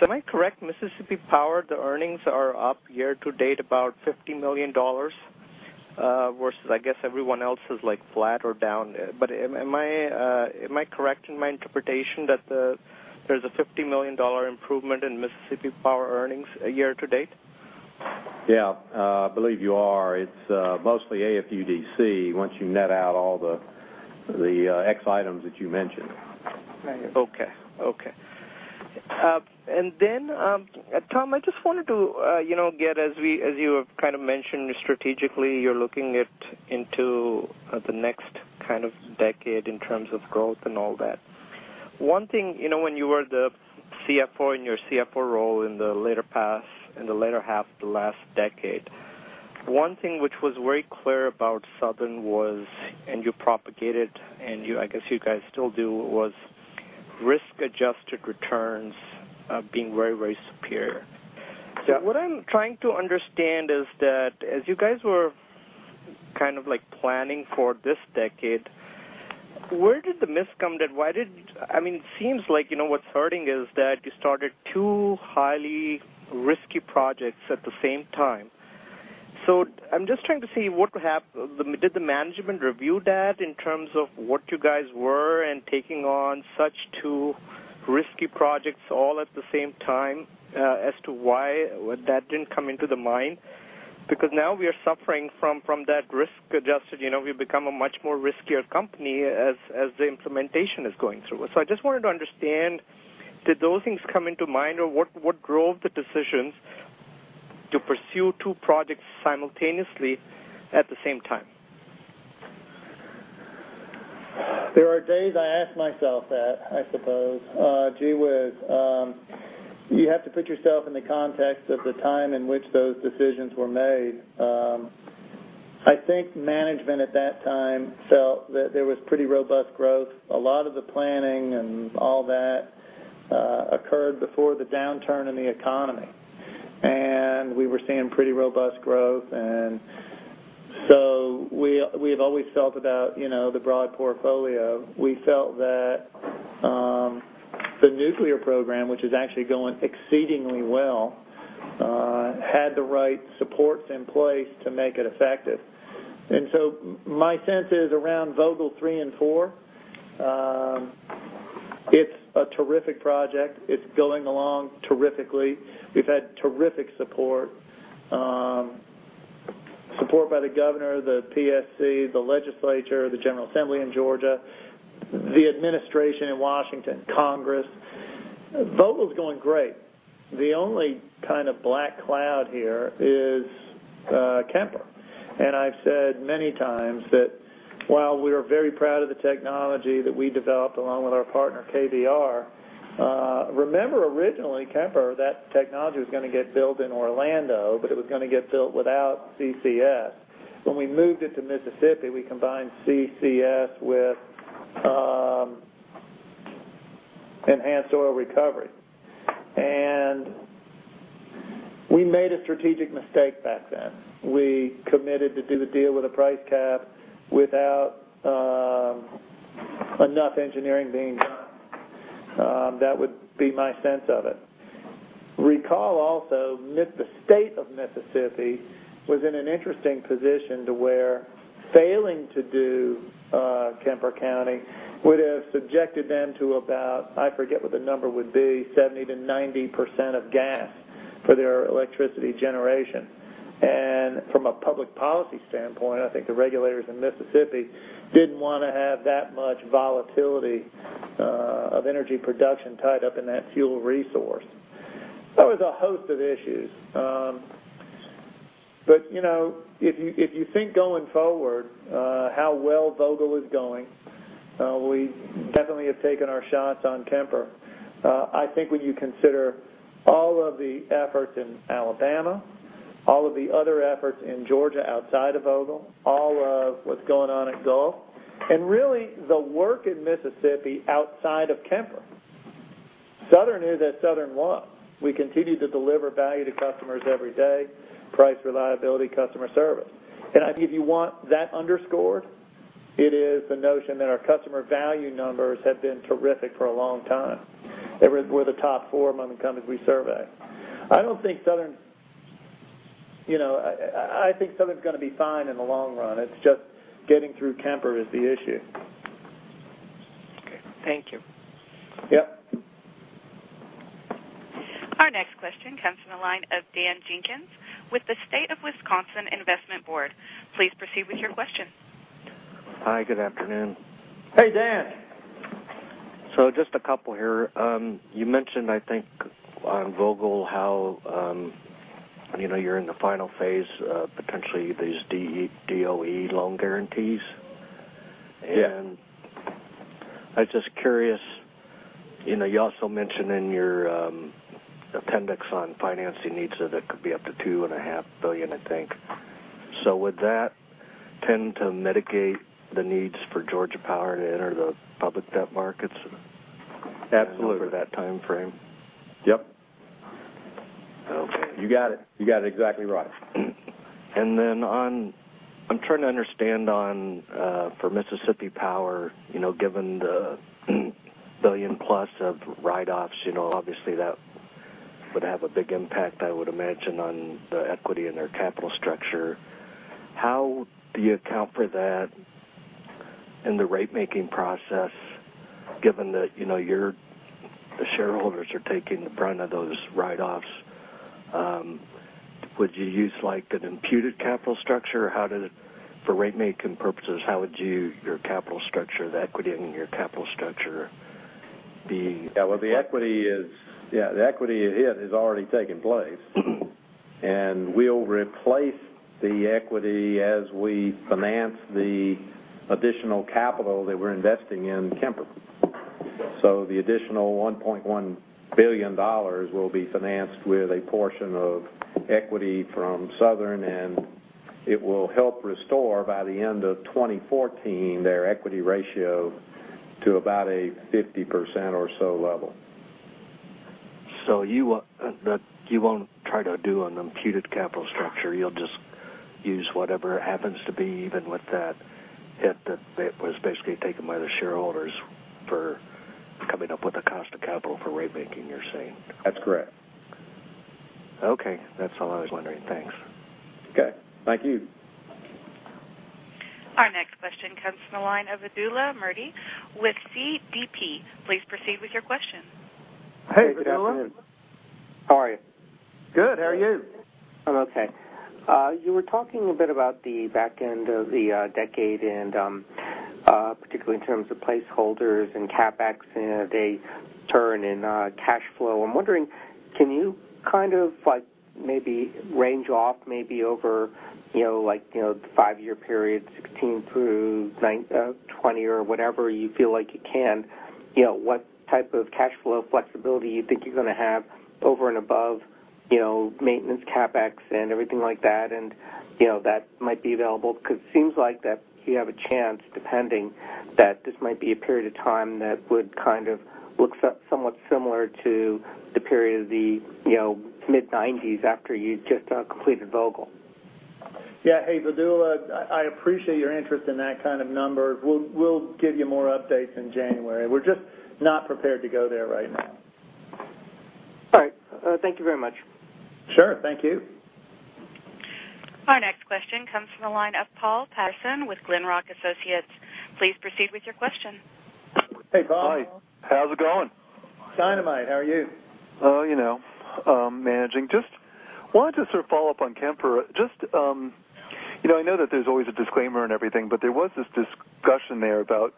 Am I correct? Mississippi Power, the earnings are up year-to-date about $50 million, versus I guess everyone else is flat or down. Am I correct in my interpretation that there's a $50 million improvement in Mississippi Power earnings year-to-date? Yeah. I believe you are. It's mostly AFUDC, once you net out all the X items that you mentioned. Okay. Tom, I just wanted to get, as you have kind of mentioned strategically, you're looking into the next decade in terms of growth and all that. When you were in your CFO role in the latter half of the last decade, one thing which was very clear about Southern was, you propagate it, and I guess you guys still do, was risk-adjusted returns being very, very superior. Yeah. What I'm trying to understand is that as you guys were kind of planning for this decade, where did the miss come? It seems like what's hurting is that you started two highly risky projects at the same time. I'm just trying to see, did the management review that in terms of what you guys were and taking on such two risky projects all at the same time as to why that didn't come into the mind. Now we are suffering from that risk-adjusted. We've become a much riskier company as the implementation is going through. I just wanted to understand, did those things come into mind or what drove the decisions to pursue two projects simultaneously at the same time? There are days I ask myself that, I suppose. [Gee whiz], you have to put yourself in the context of the time in which those decisions were made. I think management at that time felt that there was pretty robust growth. A lot of the planning and all that occurred before the downturn in the economy. We were seeing pretty robust growth. We have always felt about the broad portfolio. We felt that the nuclear program, which is actually going exceedingly well had the right supports in place to make it effective. My sense is around Vogtle 3 and 4, it's a terrific project. It's going along terrifically. We've had terrific support. Support by the governor, the PSC, the legislature, the general assembly in Georgia, the administration in Washington, Congress. Vogtle's going great. The only kind of black cloud here is Kemper. I've said many times that while we're very proud of the technology that we developed along with our partner KBR. Remember originally, Kemper, that technology was going to get built in Orlando, but it was going to get built without CCS. When we moved it to Mississippi, we combined CCS with enhanced oil recovery. We made a strategic mistake back then. We committed to do the deal with a price cap without enough engineering being done. That would be my sense of it. Recall also, the state of Mississippi was in an interesting position to where failing to do Kemper County would have subjected them to about, I forget what the number would be, 70%-90% of gas for their electricity generation. From a public policy standpoint, I think the regulators in Mississippi didn't want to have that much volatility of energy production tied up in that fuel resource. There was a host of issues. If you think going forward how well Vogtle was going, we definitely have taken our shots on Kemper. I think when you consider all of the efforts in Alabama, all of the other efforts in Georgia outside of Vogtle, all of what's going on at Gulf, and really the work in Mississippi outside of Kemper. Southern is as Southern was. We continue to deliver value to customers every day, price reliability, customer service. If you want that underscored, it is the notion that our customer value numbers have been terrific for a long time. We're the top four among the companies we survey. I think Southern's going to be fine in the long run. It's just getting through Kemper is the issue. Okay. Thank you. Yep. Our next question comes from the line of Daniel Jenkins with the State of Wisconsin Investment Board. Please proceed with your question. Hi, good afternoon. Hey, Dan. Just a couple here. You mentioned, I think, on Plant Vogtle how you're in the final phase of potentially these DOE loan guarantees. Yeah. I was just curious, you also mentioned in your appendix on financing needs that it could be up to $2.5 billion, I think. Would that tend to mitigate the needs for Georgia Power to enter the public debt markets? Absolutely over that timeframe? Yep. Okay. You got it. You got it exactly right. I'm trying to understand on for Mississippi Power, given the billion plus of write-offs, obviously that would have a big impact, I would imagine, on the equity in their capital structure. How do you account for that in the rate-making process, given that your shareholders are taking the brunt of those write-offs? Would you use an imputed capital structure? For rate-making purposes, how would your capital structure, the equity in your capital structure be? Yeah, the equity hit has already taken place. We'll replace the equity as we finance the additional capital that we're investing in Kemper. The additional $1.1 billion will be financed with a portion of equity from Southern, and it will help restore by the end of 2014 their equity ratio to about a 50% or so level. You won't try to do an imputed capital structure. You'll just use whatever happens to be even with that hit that was basically taken by the shareholders for coming up with a cost of capital for rate making, you're saying? That's correct. Okay. That's all I was wondering. Thanks. Okay. Thank you. Comes from the line of Vidula Murty with CDP. Please proceed with your question. Hey, Vidula. Hey, good afternoon. How are you? Good. How are you? I'm okay. You were talking a bit about the back end of the decade and particularly in terms of placeholders and CapEx and a turn in cash flow. I'm wondering, can you maybe range off maybe over the five-year period, 2016 through 2020, or whenever you feel like you can, what type of cash flow flexibility you think you're going to have over and above maintenance CapEx and everything like that, and that might be available? Because it seems like that you have a chance, depending that this might be a period of time that would look somewhat similar to the period of the mid-1990s after you just completed Vogtle. Yeah. Hey, Vidula, I appreciate your interest in that kind of number. We'll give you more updates in January. We're just not prepared to go there right now. All right. Thank you very much. Sure. Thank you. Our next question comes from the line of Paul Patterson with Glenrock Associates. Please proceed with your question. Hey, Paul. Hi. How's it going? Dynamite. How are you? You know, managing. Just wanted to sort of follow up on Kemper. I know that there's always a disclaimer and everything, but there was this discussion there about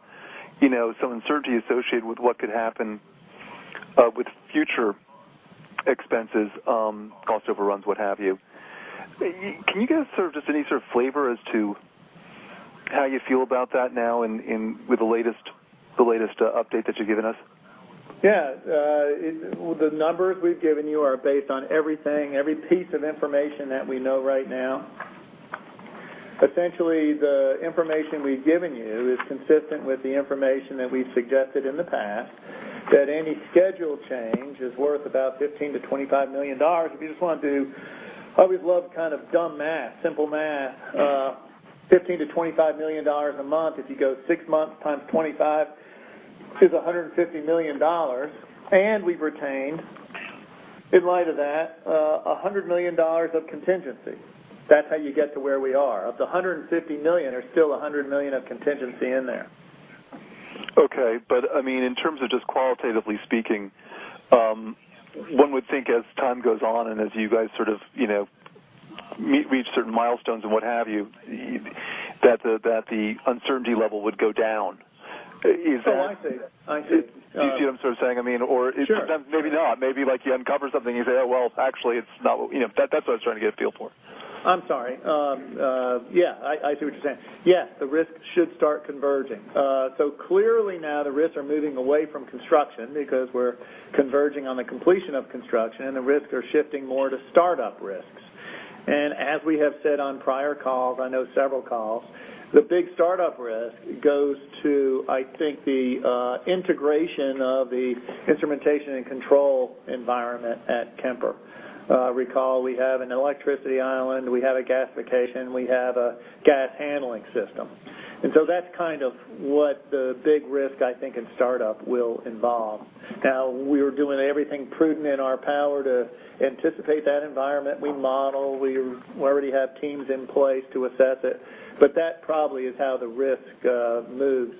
some uncertainty associated with what could happen with future expenses, cost overruns, what have you. Can you give us any sort of flavor as to how you feel about that now with the latest update that you've given us? Yeah. Well, the numbers we've given you are based on everything, every piece of information that we know right now. Essentially, the information we've given you is consistent with the information that we've suggested in the past, that any schedule change is worth about $15-$25 million. If you just want to do, I always love dumb math, simple math, $15-$25 million a month. If you go six months times 25 is $150 million. We've retained, in light of that, $100 million of contingency. That's how you get to where we are. Of the $150 million, there's still $100 million of contingency in there. Okay. In terms of just qualitatively speaking, one would think as time goes on and as you guys reach certain milestones and what have you, that the uncertainty level would go down. I see. I see. Do you see what I'm saying? Sure. Maybe not. Maybe you uncover something and you say, "Well, actually it's not." That's what I was trying to get a feel for. I'm sorry. Yeah, I see what you're saying. Yes, the risk should start converging. Clearly now the risks are moving away from construction because we're converging on the completion of construction, and the risks are shifting more to startup risks. As we have said on prior calls, I know several calls, the big startup risk goes to, I think, the integration of the instrumentation and control environment at Kemper. Recall we have an electricity island, we have a gasification, we have a gas handling system. That's what the big risk, I think, in startup will involve. We're doing everything prudent in our power to anticipate that environment. We model. We already have teams in place to assess it. That probably is how the risk moves.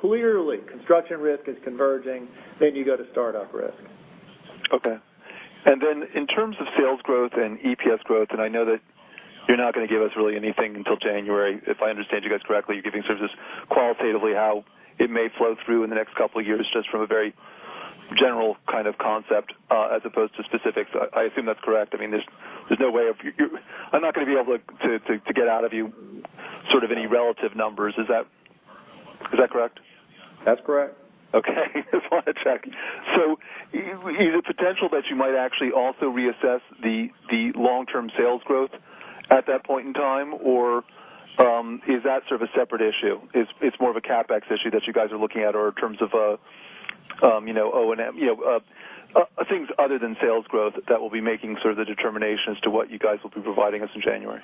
Clearly, construction risk is converging, then you go to startup risk. Okay. In terms of sales growth and EPS growth, I know that you're not going to give us really anything until January, if I understand you guys correctly. You're giving sort of just qualitatively how it may flow through in the next couple of years, just from a very general kind of concept as opposed to specifics. I assume that's correct. I'm not going to be able to get out of you any relative numbers. Is that correct? That's correct. Okay. Just want to check. Is it potential that you might actually also reassess the long-term sales growth at that point in time? Or is that sort of a separate issue? It's more of a CapEx issue that you guys are looking at, or in terms of O&M. Things other than sales growth that will be making the determination as to what you guys will be providing us in January.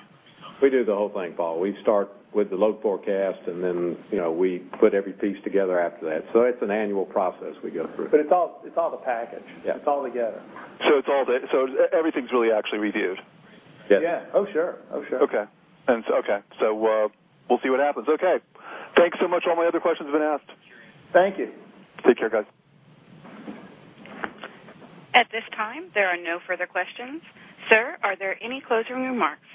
We do the whole thing, Paul. We start with the load forecast, and then we put every piece together after that. It's an annual process we go through. It's all the package. Yeah. It's all together. Everything's really actually reviewed? Yes. Yeah. Oh, sure. Okay. We'll see what happens. Okay. Thanks so much. All my other questions have been asked. Thank you. Thank you. Take care, guys. At this time, there are no further questions. Sir, are there any closing remarks?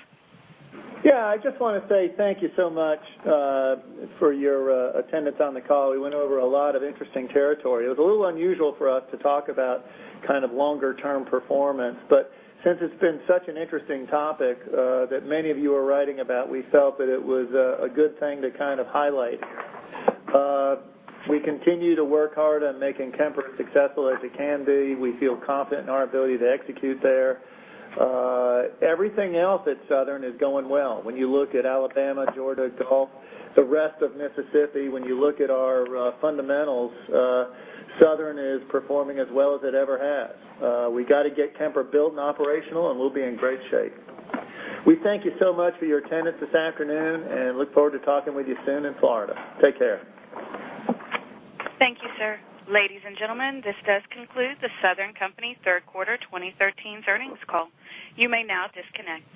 Yeah. I just want to say thank you so much for your attendance on the call. We went over a lot of interesting territory. It was a little unusual for us to talk about longer-term performance. Since it's been such an interesting topic that many of you are writing about, we felt that it was a good thing to highlight. We continue to work hard on making Kemper as successful as it can be. We feel confident in our ability to execute there. Everything else at Southern is going well. When you look at Alabama, Georgia, Gulf, the rest of Mississippi, when you look at our fundamentals, Southern is performing as well as it ever has. We've got to get Kemper built and operational, and we'll be in great shape. We thank you so much for your attendance this afternoon and look forward to talking with you soon in Florida. Take care. Thank you, sir. Ladies and gentlemen, this does conclude the Southern Company third quarter 2013 earnings call. You may now disconnect.